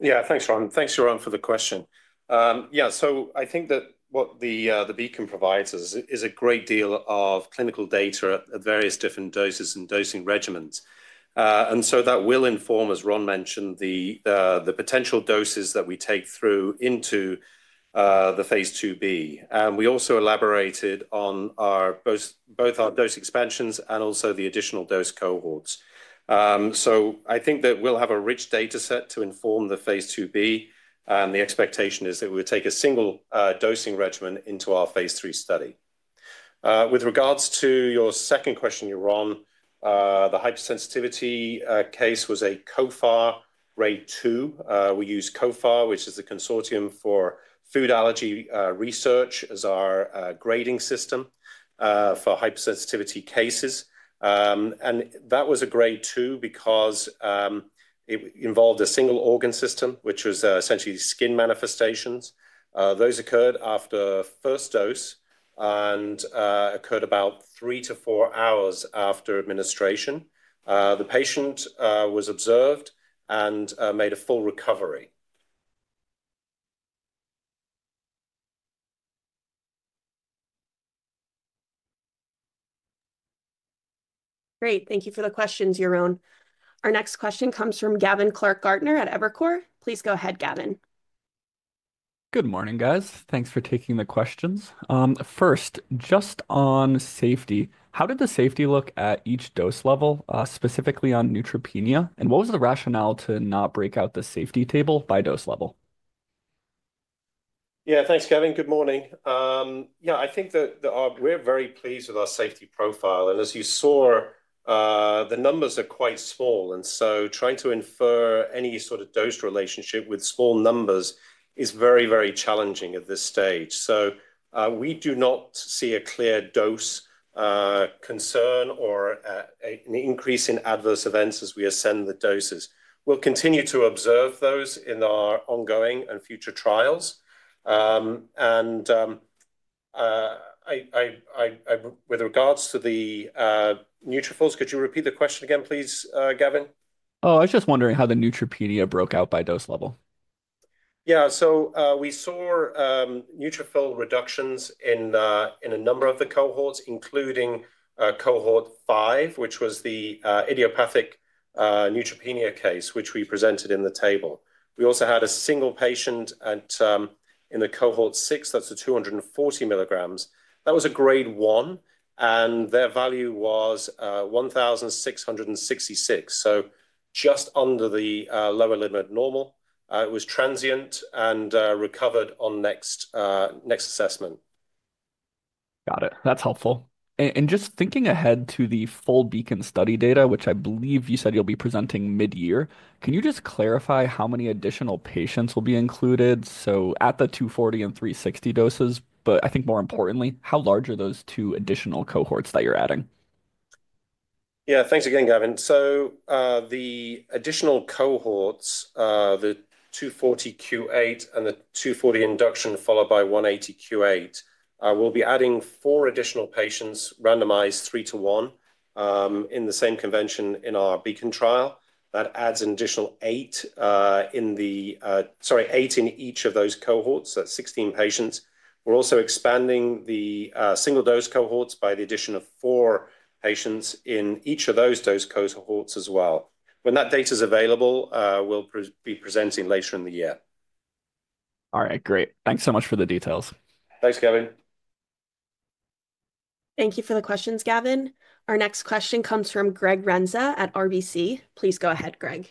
Yeah, thanks, Ron. Thanks, Yaron, for the question. Yeah, so I think that what the BEACON provides is a great deal of clinical data at various different doses and dosing regimens. And so that will inform, as Ron mentioned, the potential doses that we take through into the phase II-B. And we also elaborated on both our dose expansions and also the additional dose cohorts. So I think that we'll have a rich dataset to inform the phase II-B, and the expectation is that we would take a single dosing regimen into our phase III study. With regards to your second question, Yaron, the hypersensitivity case was a COFAR grade 2. We use COFAR, which is the Consortium for Food Allergy Research, as our grading system for hypersensitivity cases. And that was a grade 2 because it involved a single organ system, which was essentially skin manifestations. Those occurred after first dose and occurred about three hours to four hours after administration. The patient was observed and made a full recovery. Great. Thank you for the questions, Yaron. Our next question comes from Gavin Clark-Gartner at Evercore. Please go ahead, Gavin. Good morning, guys. Thanks for taking the questions. First, just on safety, how did the safety look at each dose level, specifically on neutropenia? And what was the rationale to not break out the safety table by dose level? Yeah, thanks, Gavin. Good morning. Yeah, I think that we're very pleased with our safety profile. And as you saw, the numbers are quite small. And so trying to infer any sort of dose relationship with small numbers is very, very challenging at this stage. So we do not see a clear dose concern or an increase in adverse events as we ascend the doses. We'll continue to observe those in our ongoing and future trials. And with regards to the neutrophils, could you repeat the question again, please, Gavin? Oh, I was just wondering how the neutropenia broke out by dose level? Yeah, so we saw neutrophil reductions in a number of the cohorts, including cohort 5, which was the idiopathic neutropenia case, which we presented in the table. We also had a single patient in the cohort 6, that's the 240 milligrams. That was a grade 1, and their value was 1,666, so just under the lower limit normal. It was transient and recovered on next assessment. Got it. That's helpful. And just thinking ahead to the full BEACON study data, which I believe you said you'll be presenting mid-year, can you just clarify how many additional patients will be included? So at the 240 and 360 doses, but I think more importantly, how large are those two additional cohorts that you're adding? Yeah, thanks again, Gavin. So the additional cohorts, the 240 Q8 and the 240 induction followed by 180 Q8, we'll be adding four additional patients randomized three to one in the same convention in our BEACON trial. That adds an additional eight in the, sorry, eight in each of those cohorts, that's 16 patients. We're also expanding the single dose cohorts by the addition of four patients in each of those dose cohorts as well. When that data is available, we'll be presenting later in the year. All right, great. Thanks so much for the details. Thanks, Gavin. Thank you for the questions, Gavin. Our next question comes from Greg Renza at RBC. Please go ahead, Greg.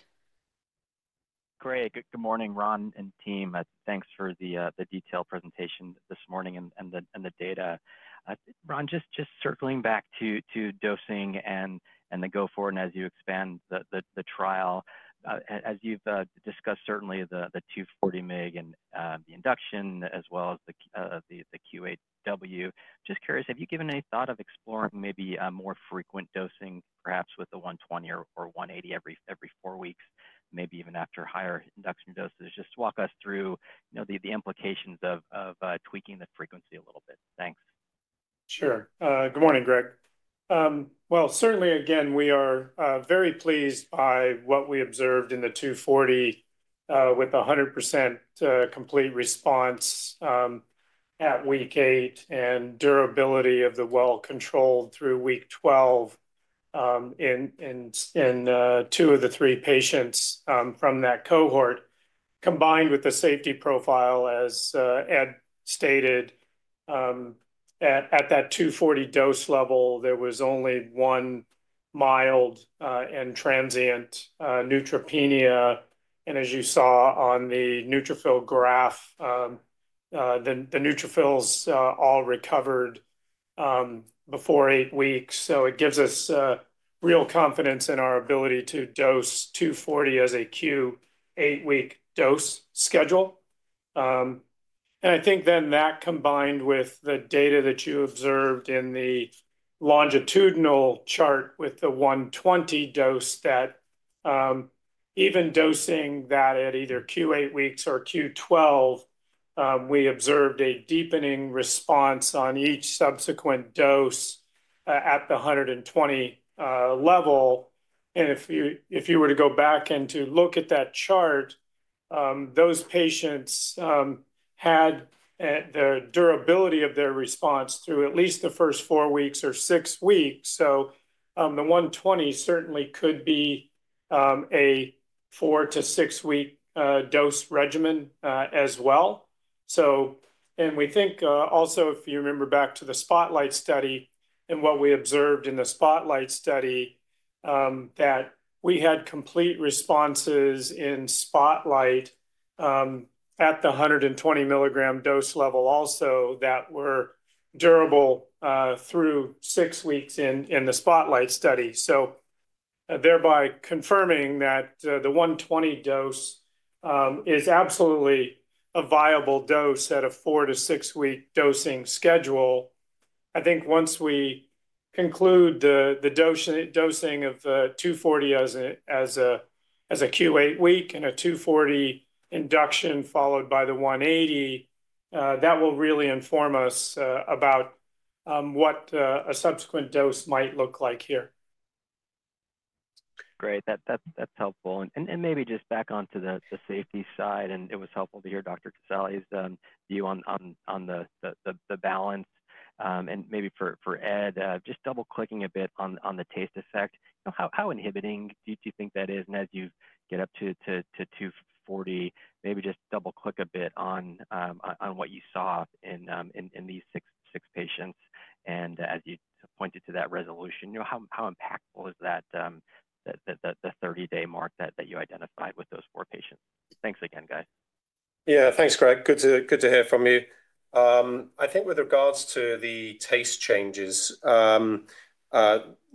Great. Good morning, Ron and team. Thanks for the detailed presentation this morning and the data. Ron, just circling back to dosing and the go-forward and as you expand the trial, as you've discussed, certainly the 240-mg and the induction, as well as the Q8W. Just curious, have you given any thought of exploring maybe more frequent dosing, perhaps with the 120 or 180 every four weeks, maybe even after higher induction doses? Just walk us through the implications of tweaking the frequency a little bit. Thanks. Sure. Good morning, Greg. Well, certainly, again, we are very pleased by what we observed in the 240 with 100% complete response at week eight and durability of the well-controlled through week 12 in two of the three patients from that cohort, combined with the safety profile, as Ed stated, at that 240 dose level. There was only one mild and transient neutropenia. And as you saw on the neutrophil graph, the neutrophils all recovered before eight weeks. So it gives us real confidence in our ability to dose 240 as a Q8 week dose schedule. And I think then that combined with the data that you observed in the longitudinal chart with the 120 dose, that even dosing that at either Q8 weeks or Q12, we observed a deepening response on each subsequent dose at the 120 level. And if you were to go back and to look at that chart, those patients had the durability of their response through at least the first four weeks or six weeks. So the 120 certainly could be a four to six-week dose regimen as well. And we think also, if you remember back to the SPOTLIGHT study and what we observed in the SPOTLIGHT study, that we had complete responses in SPOTLIGHT at the 120 milligram dose level also that were durable through six weeks in the SPOTLIGHT study. So thereby confirming that the 120 dose is absolutely a viable dose at a four to six-week dosing schedule. I think once we conclude the dosing of 240 as a Q8 week and a 240 induction followed by the 180, that will really inform us about what a subsequent dose might look like here. Great. That's helpful. And maybe just back onto the safety side, and it was helpful to hear Dr. Casale's view on the balance. And maybe for Ed, just double-clicking a bit on the taste effect, how inhibiting do you think that is? And as you get up to 240, maybe just double-click a bit on what you saw in these six patients. And as you pointed to that resolution, how impactful is that 30-day mark that you identified with those four patients? Thanks again, guys. Yeah, thanks, Greg. Good to hear from you. I think with regards to the taste changes,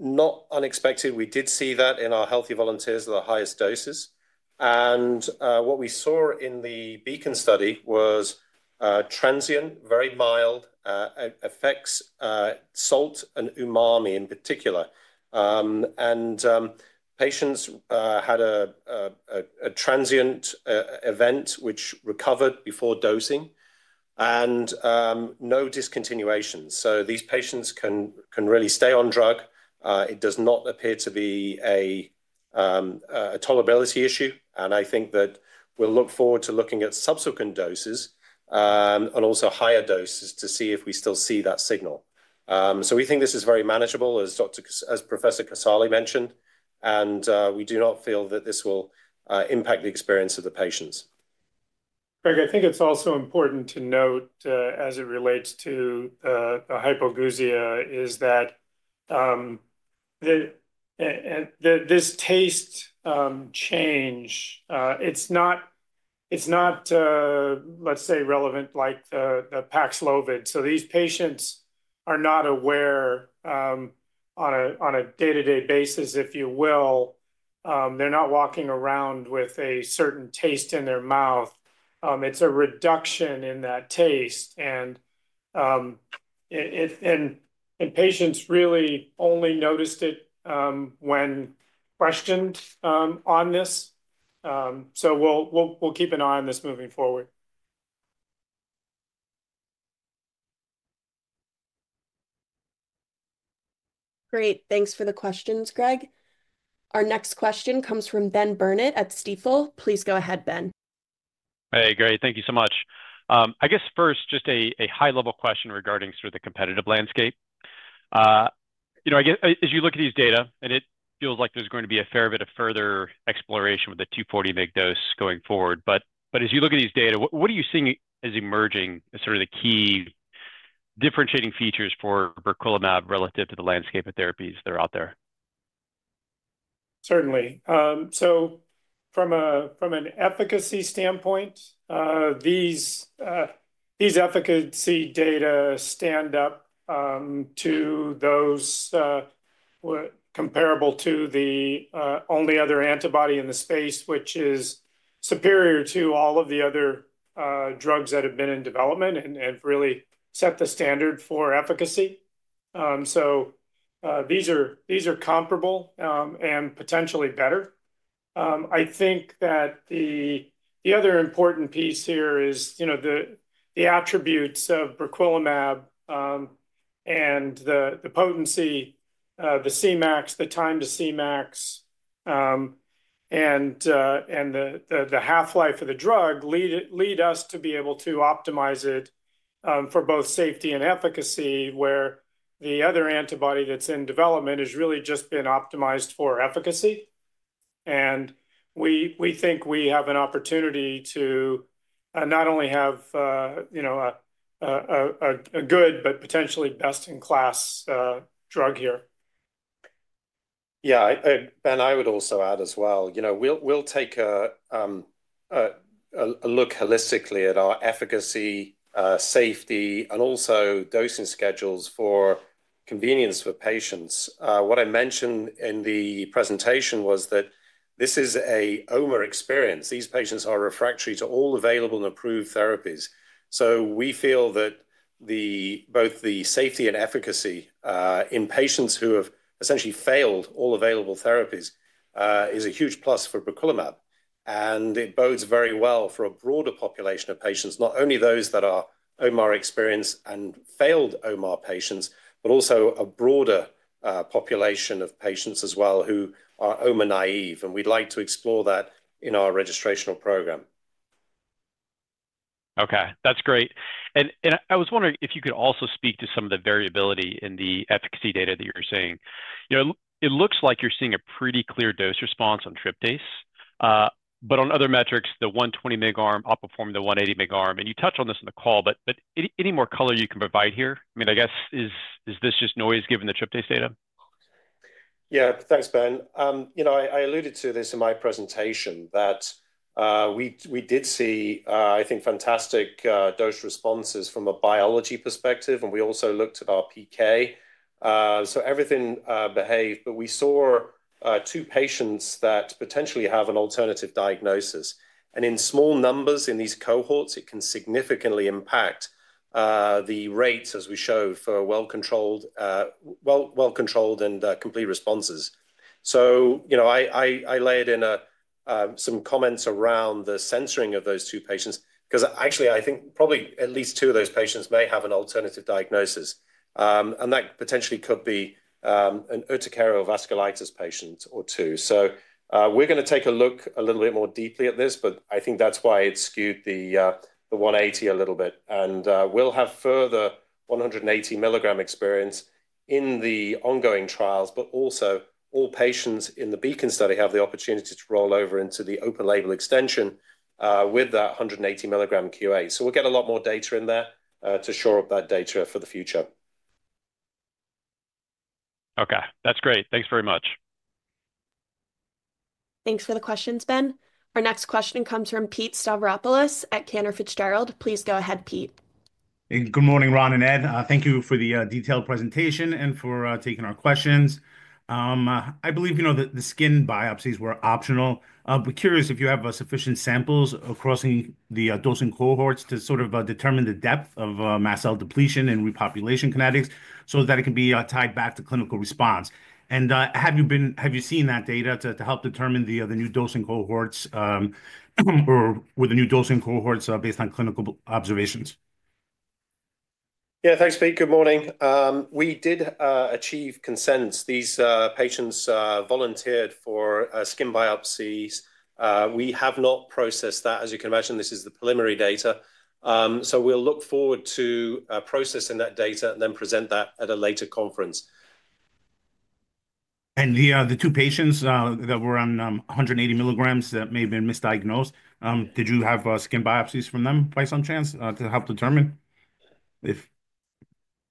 not unexpected. We did see that in our healthy volunteers at the highest doses. And what we saw in the BEACON study was transient, very mild effects, salt and umami in particular. And patients had a transient event, which recovered before dosing, and no discontinuation. So these patients can really stay on drug. It does not appear to be a tolerability issue. And I think that we'll look forward to looking at subsequent doses and also higher doses to see if we still see that signal. So we think this is very manageable, as Professor Casale mentioned. And we do not feel that this will impact the experience of the patients. Greg, I think it's also important to note as it relates to the hypogeusia, is that this taste change, it's not, let's say, relevant like the Paxlovid. So these patients are not aware on a day-to-day basis, if you will. They're not walking around with a certain taste in their mouth. It's a reduction in that taste. Patients really only noticed it when questioned on this. We'll keep an eye on this moving forward. Great. Thanks for the questions, Greg. Our next question comes from Ben Burnett at Stifel. Please go ahead, Ben. Hey, great. Thank you so much. I guess first, just a high-level question regarding sort of the competitive landscape. As you look at these data, and it feels like there's going to be a fair bit of further exploration with the 240-mg dose going forward. But as you look at these data, what are you seeing as emerging as sort of the key differentiating features for briquilimab relative to the landscape of therapies that are out there? Certainly. So from an efficacy standpoint, these efficacy data stand up to those comparable to the only other antibody in the space, which is superior to all of the other drugs that have been in development and really set the standard for efficacy. So these are comparable and potentially better. I think that the other important piece here is the attributes of briquilimab and the potency, the CMAX, the time to CMAX, and the half-life of the drug lead us to be able to optimize it for both safety and efficacy, where the other antibody that's in development has really just been optimized for efficacy. And we think we have an opportunity to not only have a good, but potentially best-in-class drug here. Yeah, and I would also add as well, we'll take a look holistically at our efficacy, safety, and also dosing schedules for convenience for patients. What I mentioned in the presentation was that this is an omalizumab experience. These patients are refractory to all available and approved therapies. So we feel that both the safety and efficacy in patients who have essentially failed all available therapies is a huge plus for briquilimab. And it bodes very well for a broader population of patients, not only those that are omalizumab experienced and failed omalizumab patients, but also a broader population of patients as well who are omalizumab naive. And we'd like to explore that in our registrational program. Okay, that's great. And I was wondering if you could also speak to some of the variability in the efficacy data that you're seeing. It looks like you're seeing a pretty clear dose response on tryptase. But on other metrics, the 120-mg arm outperformed the 180-mg arm. And you touched on this in the call, but any more color you can provide here? I mean, I guess, is this just noise given the tryptase data? Yeah, thanks, Ben. I alluded to this in my presentation that we did see, I think, fantastic dose responses from a biology perspective. And we also looked at our PK. So everything behaved. But we saw two patients that potentially have an alternative diagnosis. And in small numbers in these cohorts, it can significantly impact the rates, as we showed, for well-controlled and complete responses. So I layered in some comments around the censoring of those two patients because actually, I think probably at least two of those patients may have an alternative diagnosis. And that potentially could be an urticarial vasculitis patient or two. So we're going to take a look a little bit more deeply at this, but I think that's why it skewed the 180 a little bit. And we'll have further 180 milligram experience in the ongoing trials, but also all patients in the BEACON study have the opportunity to roll over into the open label extension with that 180 milligram QA. So we'll get a lot more data in there to shore up that data for the future. Okay, that's great. Thanks very much. Thanks for the questions, Ben. Our next question comes from Pete Stavropoulos at Cantor Fitzgerald. Please go ahead, Pete. Good morning, Ron and Ed. Thank you for the detailed presentation and for taking our questions. I believe the skin biopsies were optional. We're curious if you have sufficient samples across the dosing cohorts to sort of determine the depth of mast cell depletion and repopulation kinetics so that it can be tied back to clinical response, and have you seen that data to help determine the new dosing cohorts or based on clinical observations? Yeah, thanks, Pete. Good morning. We did achieve consent. These patients volunteered for skin biopsies. We have not processed that, as you can imagine. This is the preliminary data. So we'll look forward to processing that data and then present that at a later conference. The two patients that were on 180 milligrams that may have been misdiagnosed, did you have skin biopsies from them by some chance to help determine?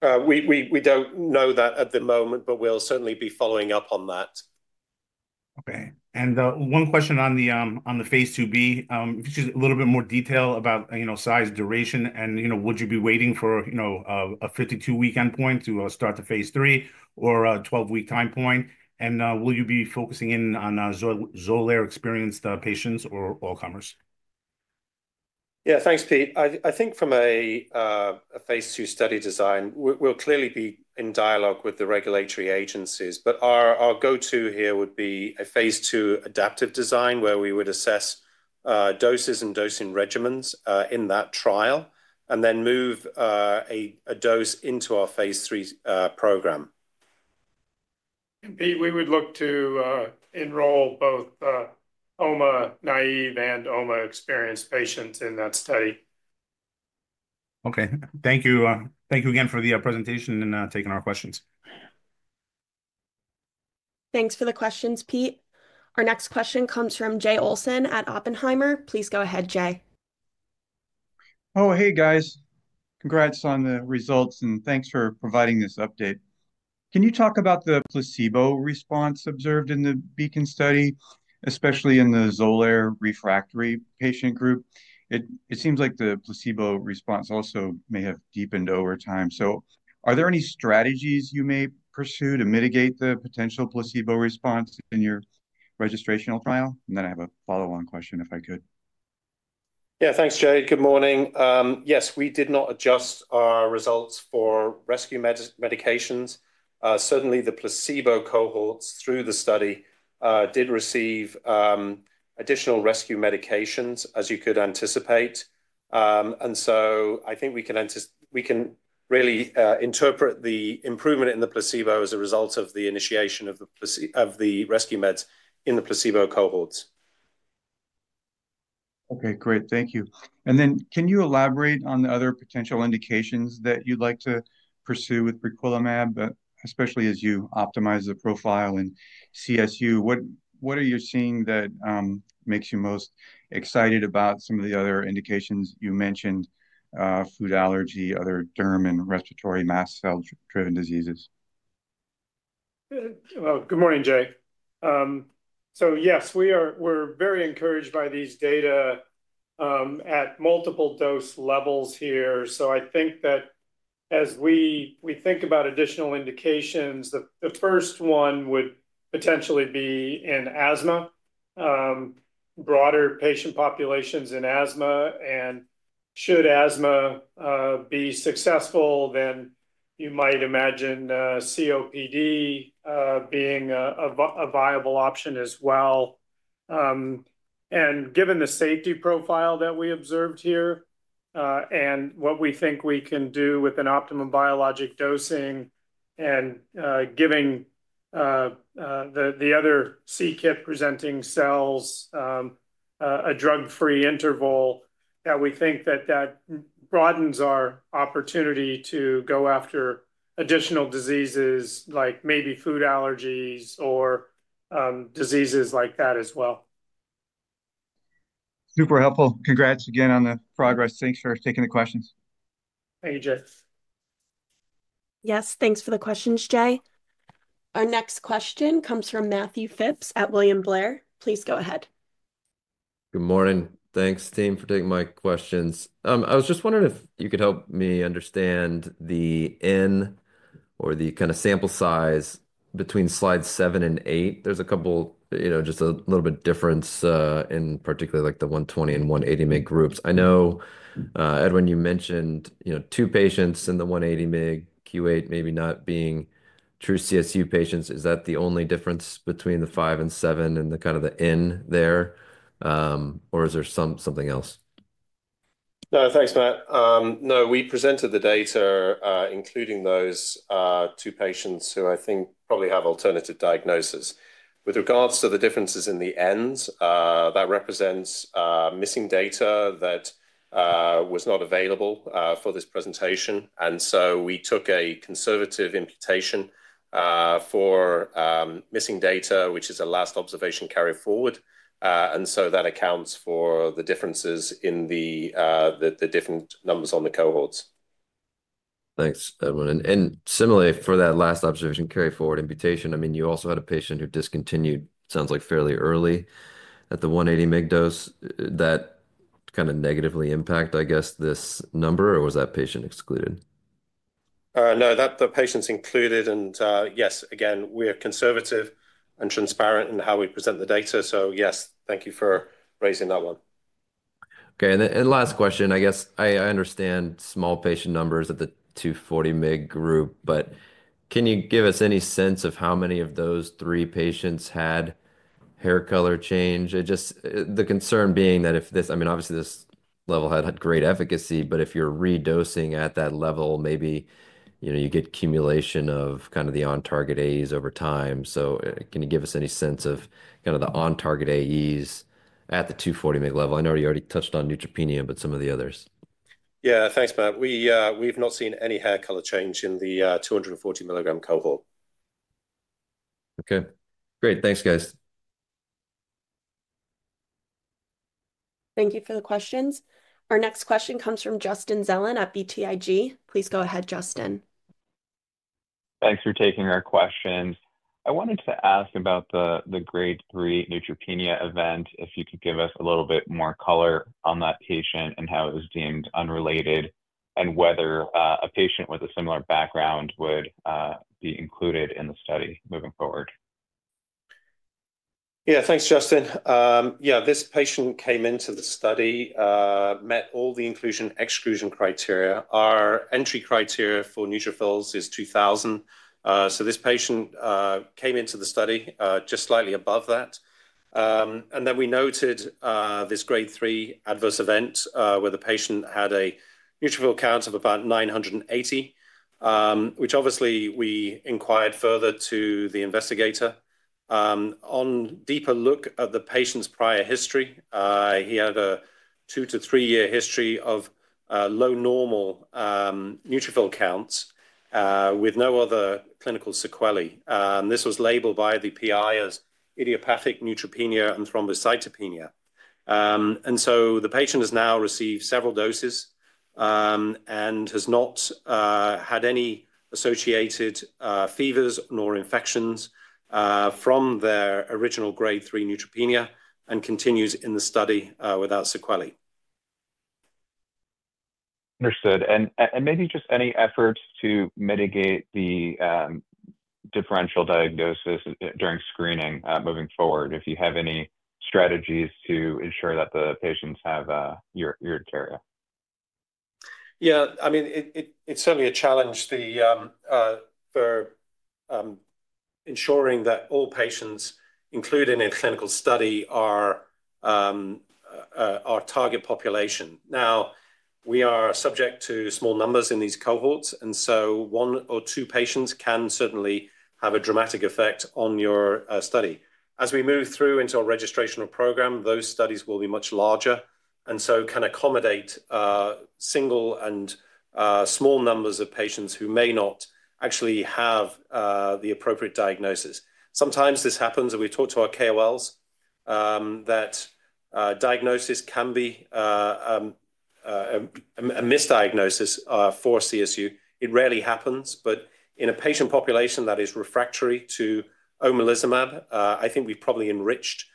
We don't know that at the moment, but we'll certainly be following up on that. Okay. And one question on the phase II-B, just a little bit more detail about size, duration, and would you be waiting for a 52-week endpoint to start the phase III or a 12-week time point? And will you be focusing in on Xolair experienced patients or all comers? Yeah, thanks, Pete. I think from a phase II study design, we'll clearly be in dialogue with the regulatory agencies, but our go-to here would be a phase II adaptive design where we would assess doses and dosing regimens in that trial and then move a dose into our phase III program. Pete, we would look to enroll both omalizumab-naive and omalizumab-experienced patients in that study. Okay. Thank you again for the presentation and taking our questions. Thanks for the questions, Pete. Our next question comes from Jay Olson at Oppenheimer. Please go ahead, Jay. Oh, hey, guys. Congrats on the results, and thanks for providing this update. Can you talk about the placebo response observed in the BEACON study, especially in the Xolair refractory patient group? It seems like the placebo response also may have deepened over time. So are there any strategies you may pursue to mitigate the potential placebo response in your registrational trial? And then I have a follow-on question if I could. Yeah, thanks, Jay. Good morning. Yes, we did not adjust our results for rescue medications. Certainly, the placebo cohorts through the study did receive additional rescue medications, as you could anticipate, and so I think we can really interpret the improvement in the placebo as a result of the initiation of the rescue meds in the placebo cohorts. Okay, great. Thank you. And then can you elaborate on the other potential indications that you'd like to pursue with briquilimab, especially as you optimize the profile in CSU? What are you seeing that makes you most excited about some of the other indications you mentioned? Food allergy, other derm and respiratory mast cell-driven diseases? Good morning, Jay. So yes, we're very encouraged by these data at multiple dose levels here. So I think that as we think about additional indications, the first one would potentially be in asthma, broader patient populations in asthma. And should asthma be successful, then you might imagine COPD being a viable option as well. And given the safety profile that we observed here and what we think we can do with an optimum biologic dosing and giving the other c-Kit presenting cells a drug-free interval, we think that that broadens our opportunity to go after additional diseases like maybe food allergies or diseases like that as well. Super helpful. Congrats again on the progress. Thanks for taking the questions. Thank you, Jay. Yes, thanks for the questions, Jay. Our next question comes from Matthew Phipps at William Blair. Please go ahead. Good morning. Thanks, team, for taking my questions. I was just wondering if you could help me understand the N or the kind of sample size between slides 7 and 8. There's a couple just a little bit of difference in particular, like the 120-mg and 180-mg groups. I know, Edwin, you mentioned two patients in the 180-mg Q8 maybe not being true CSU patients. Is that the only difference between the 5 and 7 and the kind of the N there? Or is there something else? No, thanks, Matt. No, we presented the data, including those two patients who I think probably have alternative diagnoses. With regards to the differences in the Ns, that represents missing data that was not available for this presentation, and so we took a conservative imputation for missing data, which is a last observation carry forward, and so that accounts for the differences in the different numbers on the cohorts. Thanks, Edwin. And similarly, for that last observation carry forward imputation, I mean, you also had a patient who discontinued, sounds like, fairly early at the 180-mg dose. Did that kind of negatively impact, I guess, this number, or was that patient excluded? No, the patient's included. And yes, again, we're conservative and transparent in how we present the data. So yes, thank you for raising that one. Okay, and last question, I guess. I understand small patient numbers at the 240-mg group, but can you give us any sense of how many of those three patients had hair color change? The concern being that if this, I mean, obviously, this level had great efficacy, but if you're redosing at that level, maybe you get cumulation of kind of the on-target AEs over time. So can you give us any sense of kind of the on-target AEs at the 240-mg level? I know you already touched on neutropenia, but some of the others. Yeah, thanks, Matt. We've not seen any hair color change in the 240-milligram cohort. Okay. Great. Thanks, guys. Thank you for the questions. Our next question comes from Justin Zelin at BTIG. Please go ahead, Justin. Thanks for taking our questions. I wanted to ask about the grade three neutropenia event, if you could give us a little bit more color on that patient and how it was deemed unrelated and whether a patient with a similar background would be included in the study moving forward. Yeah, thanks, Justin. Yeah, this patient came into the study, met all the inclusion/exclusion criteria. Our entry criteria for neutrophils is 2,000. So this patient came into the study just slightly above that. And then we noted this grade 3 adverse event where the patient had a neutrophil count of about 980, which obviously we inquired further to the investigator. On deeper look at the patient's prior history, he had a two to three-year history of low normal neutrophil counts with no other clinical sequelae. This was labeled by the PI as idiopathic neutropenia and thrombocytopenia. And so the patient has now received several doses and has not had any associated fevers nor infections from their original grade 3 neutropenia and continues in the study without sequelae. Understood. And maybe just any efforts to mitigate the differential diagnosis during screening moving forward, if you have any strategies to ensure that the patients have urticaria? Yeah, I mean, it's certainly a challenge for ensuring that all patients included in a clinical study are our target population. Now, we are subject to small numbers in these cohorts, and so one or two patients can certainly have a dramatic effect on your study. As we move through into our registrational program, those studies will be much larger and so can accommodate single and small numbers of patients who may not actually have the appropriate diagnosis. Sometimes this happens, and we talk to our KOLs, that diagnosis can be a misdiagnosis for CSU. It rarely happens, but in a patient population that is refractory to omalizumab, I think we've probably enriched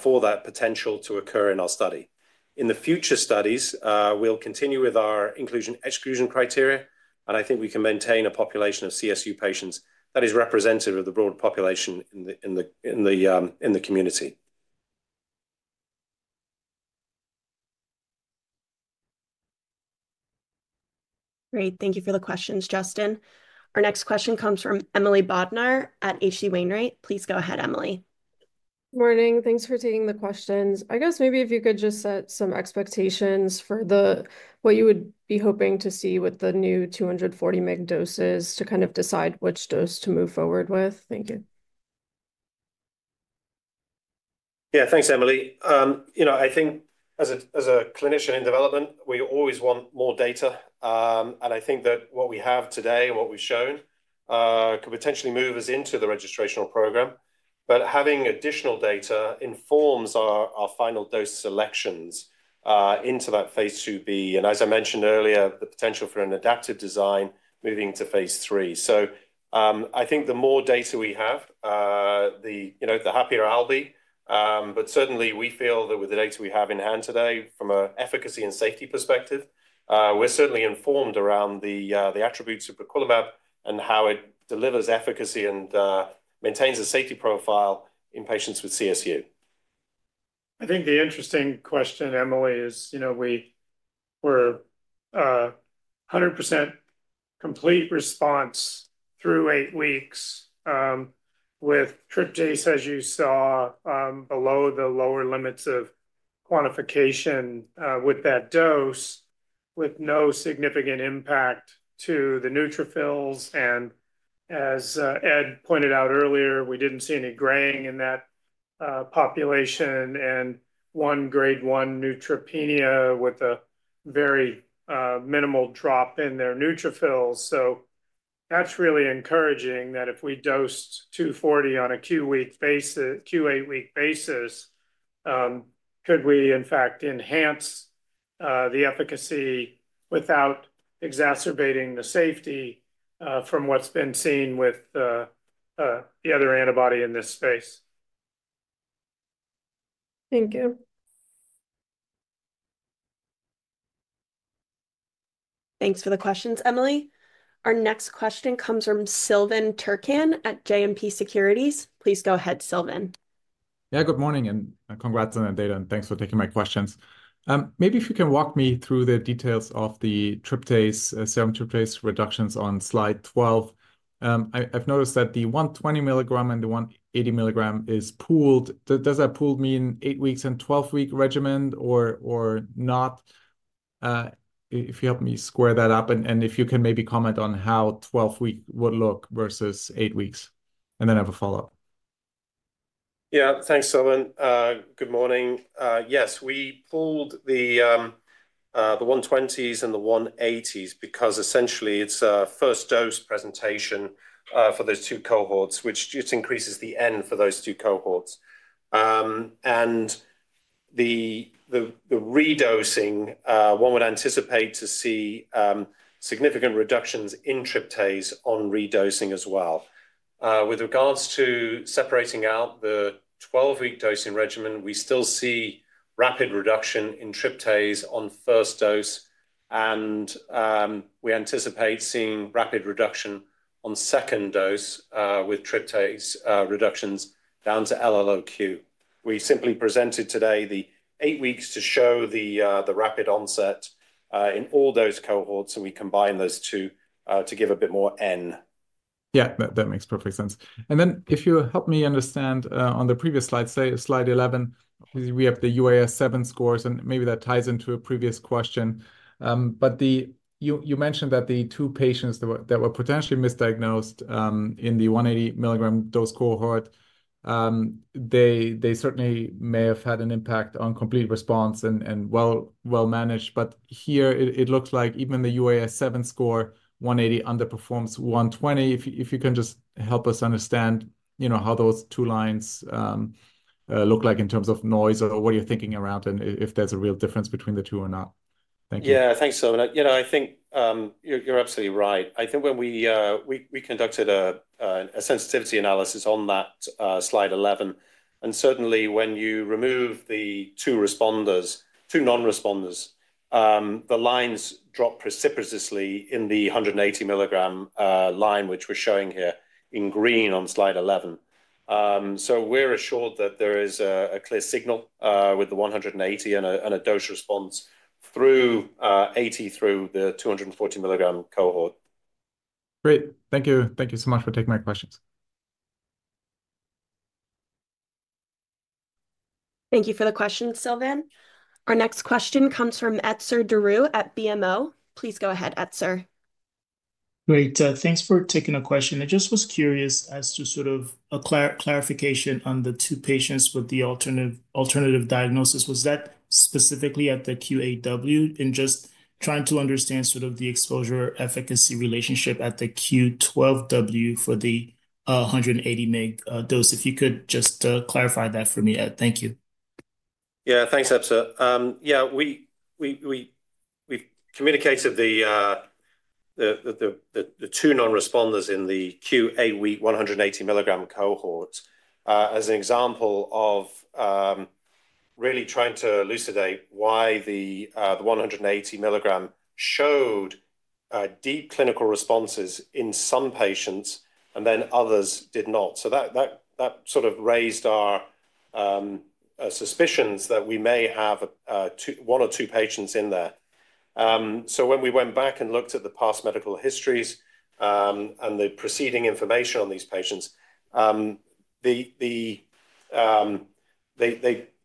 for that potential to occur in our study. In the future studies, we'll continue with our inclusion/exclusion criteria, and I think we can maintain a population of CSU patients that is representative of the broad population in the community. Great. Thank you for the questions, Justin. Our next question comes from Emily Bodnar at H.C. Wainwright. Please go ahead, Emily. Morning. Thanks for taking the questions. I guess maybe if you could just set some expectations for what you would be hoping to see with the new 240-mg doses to kind of decide which dose to move forward with? Thank you. Yeah, thanks, Emily. I think as a clinician in development, we always want more data. And I think that what we have today and what we've shown could potentially move us into the registrational program. But having additional data informs our final dose selections into that phase II-B and, as I mentioned earlier, the potential for an adaptive design moving to phase III. So I think the more data we have, the happier I'll be. But certainly, we feel that with the data we have in hand today from an efficacy and safety perspective, we're certainly informed around the attributes of briquilimab and how it delivers efficacy and maintains a safety profile in patients with CSU. I think the interesting question, Emily, is we were 100% complete response through eight weeks with tryptase, as you saw, below the lower limits of quantification with that dose, with no significant impact to the neutrophils. And as Ed pointed out earlier, we didn't see any grading in that population and one grade one neutropenia with a very minimal drop in their neutrophils. So that's really encouraging that if we dosed 240 on a Q8-week basis, could we, in fact, enhance the efficacy without exacerbating the safety from what's been seen with the other antibody in this space? Thank you. Thanks for the questions, Emily. Our next question comes from Silvan Türkcan at JMP Securities. Please go ahead, Silvan. Yeah, good morning and congrats on that data. And thanks for taking my questions. Maybe if you can walk me through the details of the Tryptase, serum Tryptase reductions on slide 12. I've noticed that the 120-milligram and the 180-milligram is pooled. Does that pool mean eight-week and 12-week regimen or not? If you help me square that up and if you can maybe comment on how 12-week would look versus eight weeks. And then I have a follow-up. Yeah, thanks, Sylvan. Good morning. Yes, we pooled the 120s and the 180s because essentially it's a first dose presentation for those two cohorts, which just increases the N for those two cohorts. And the redosing, one would anticipate to see significant reductions in tryptase on redosing as well. With regards to separating out the 12-week dosing regimen, we still see rapid reduction in tryptase on first dose. And we anticipate seeing rapid reduction on second dose with tryptase reductions down to LLOQ. We simply presented today the eight weeks to show the rapid onset in all those cohorts. And we combined those two to give a bit more N. Yeah, that makes perfect sense. And then if you help me understand on the previous slide, slide 11, we have the UAS7 scores, and maybe that ties into a previous question. But you mentioned that the two patients that were potentially misdiagnosed in the 180-milligram dose cohort, they certainly may have had an impact on complete response and well managed. But here, it looks like even the UAS7 score 180 underperforms 120. If you can just help us understand how those two lines look like in terms of noise or what you're thinking around and if there's a real difference between the two or not. Thank you. Yeah, thanks, Sylvan. I think you're absolutely right. I think when we conducted a sensitivity analysis on that slide 11, and certainly when you remove the two responders, two non-responders, the lines drop precipitously in the 180-milligram line, which we're showing here in green on slide 11. So we're assured that there is a clear signal with the 180 and a dose response through 80 through the 240-milligram cohort. Great. Thank you. Thank you so much for taking my questions. Thank you for the questions, Sylvan. Our next question comes from Etzer Darout at BMO. Please go ahead, Etzer. Great. Thanks for taking a question. I just was curious as to sort of a clarification on the two patients with the alternative diagnosis. Was that specifically at the Q8W? And just trying to understand sort of the exposure efficacy relationship at the Q12W for the 180-mg dose. If you could just clarify that for me, Ed. Thank you. Yeah, thanks, Etzer. Yeah, we've communicated the two non-responders in the Q8-week 180-milligram cohorts as an example of really trying to elucidate why the 180-milligram showed deep clinical responses in some patients and then others did not, so that sort of raised our suspicions that we may have one or two patients in there. So when we went back and looked at the past medical histories and the preceding information on these patients, they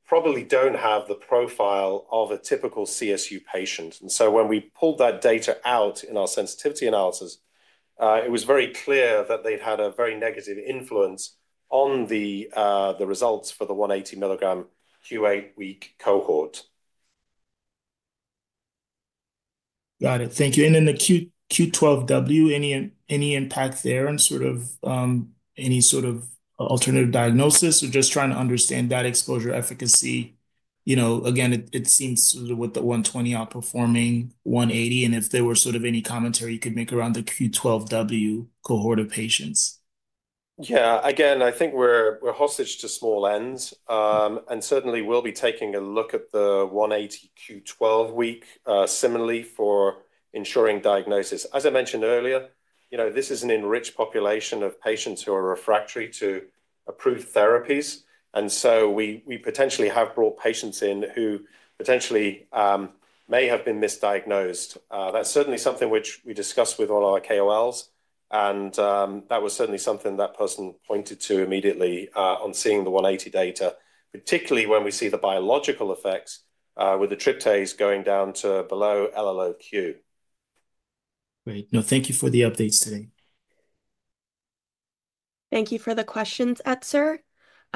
probably don't have the profile of a typical CSU patient, and so when we pulled that data out in our sensitivity analysis, it was very clear that they'd had a very negative influence on the results for the 180-milligram Q8-week cohort. Got it. Thank you. And in the Q12W, any impact there on sort of any sort of alternative diagnosis? We're just trying to understand that exposure efficacy. Again, it seems with the 120 outperforming 180. And if there were sort of any commentary you could make around the Q12W cohort of patients? Yeah. Again, I think we're hostage to small Ns. And certainly, we'll be taking a look at the 180 Q12 week similarly for ensuring diagnosis. As I mentioned earlier, this is an enriched population of patients who are refractory to approved therapies. And so we potentially have brought patients in who potentially may have been misdiagnosed. That's certainly something which we discussed with all our KOLs. And that was certainly something that person pointed to immediately on seeing the 180 data, particularly when we see the biological effects with the tryptase going down to below LLOQ. Great. No, thank you for the updates today. Thank you for the questions, Etzer.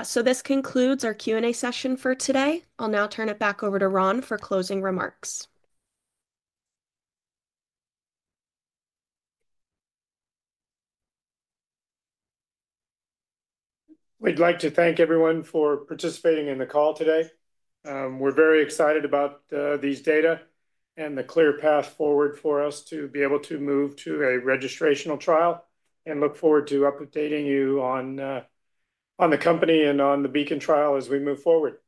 So this concludes our Q&A session for today. I'll now turn it back over to Ron for closing remarks. We'd like to thank everyone for participating in the call today. We're very excited about these data and the clear path forward for us to be able to move to a registrational trial and look forward to updating you on the company and on the BEACON trial as we move forward.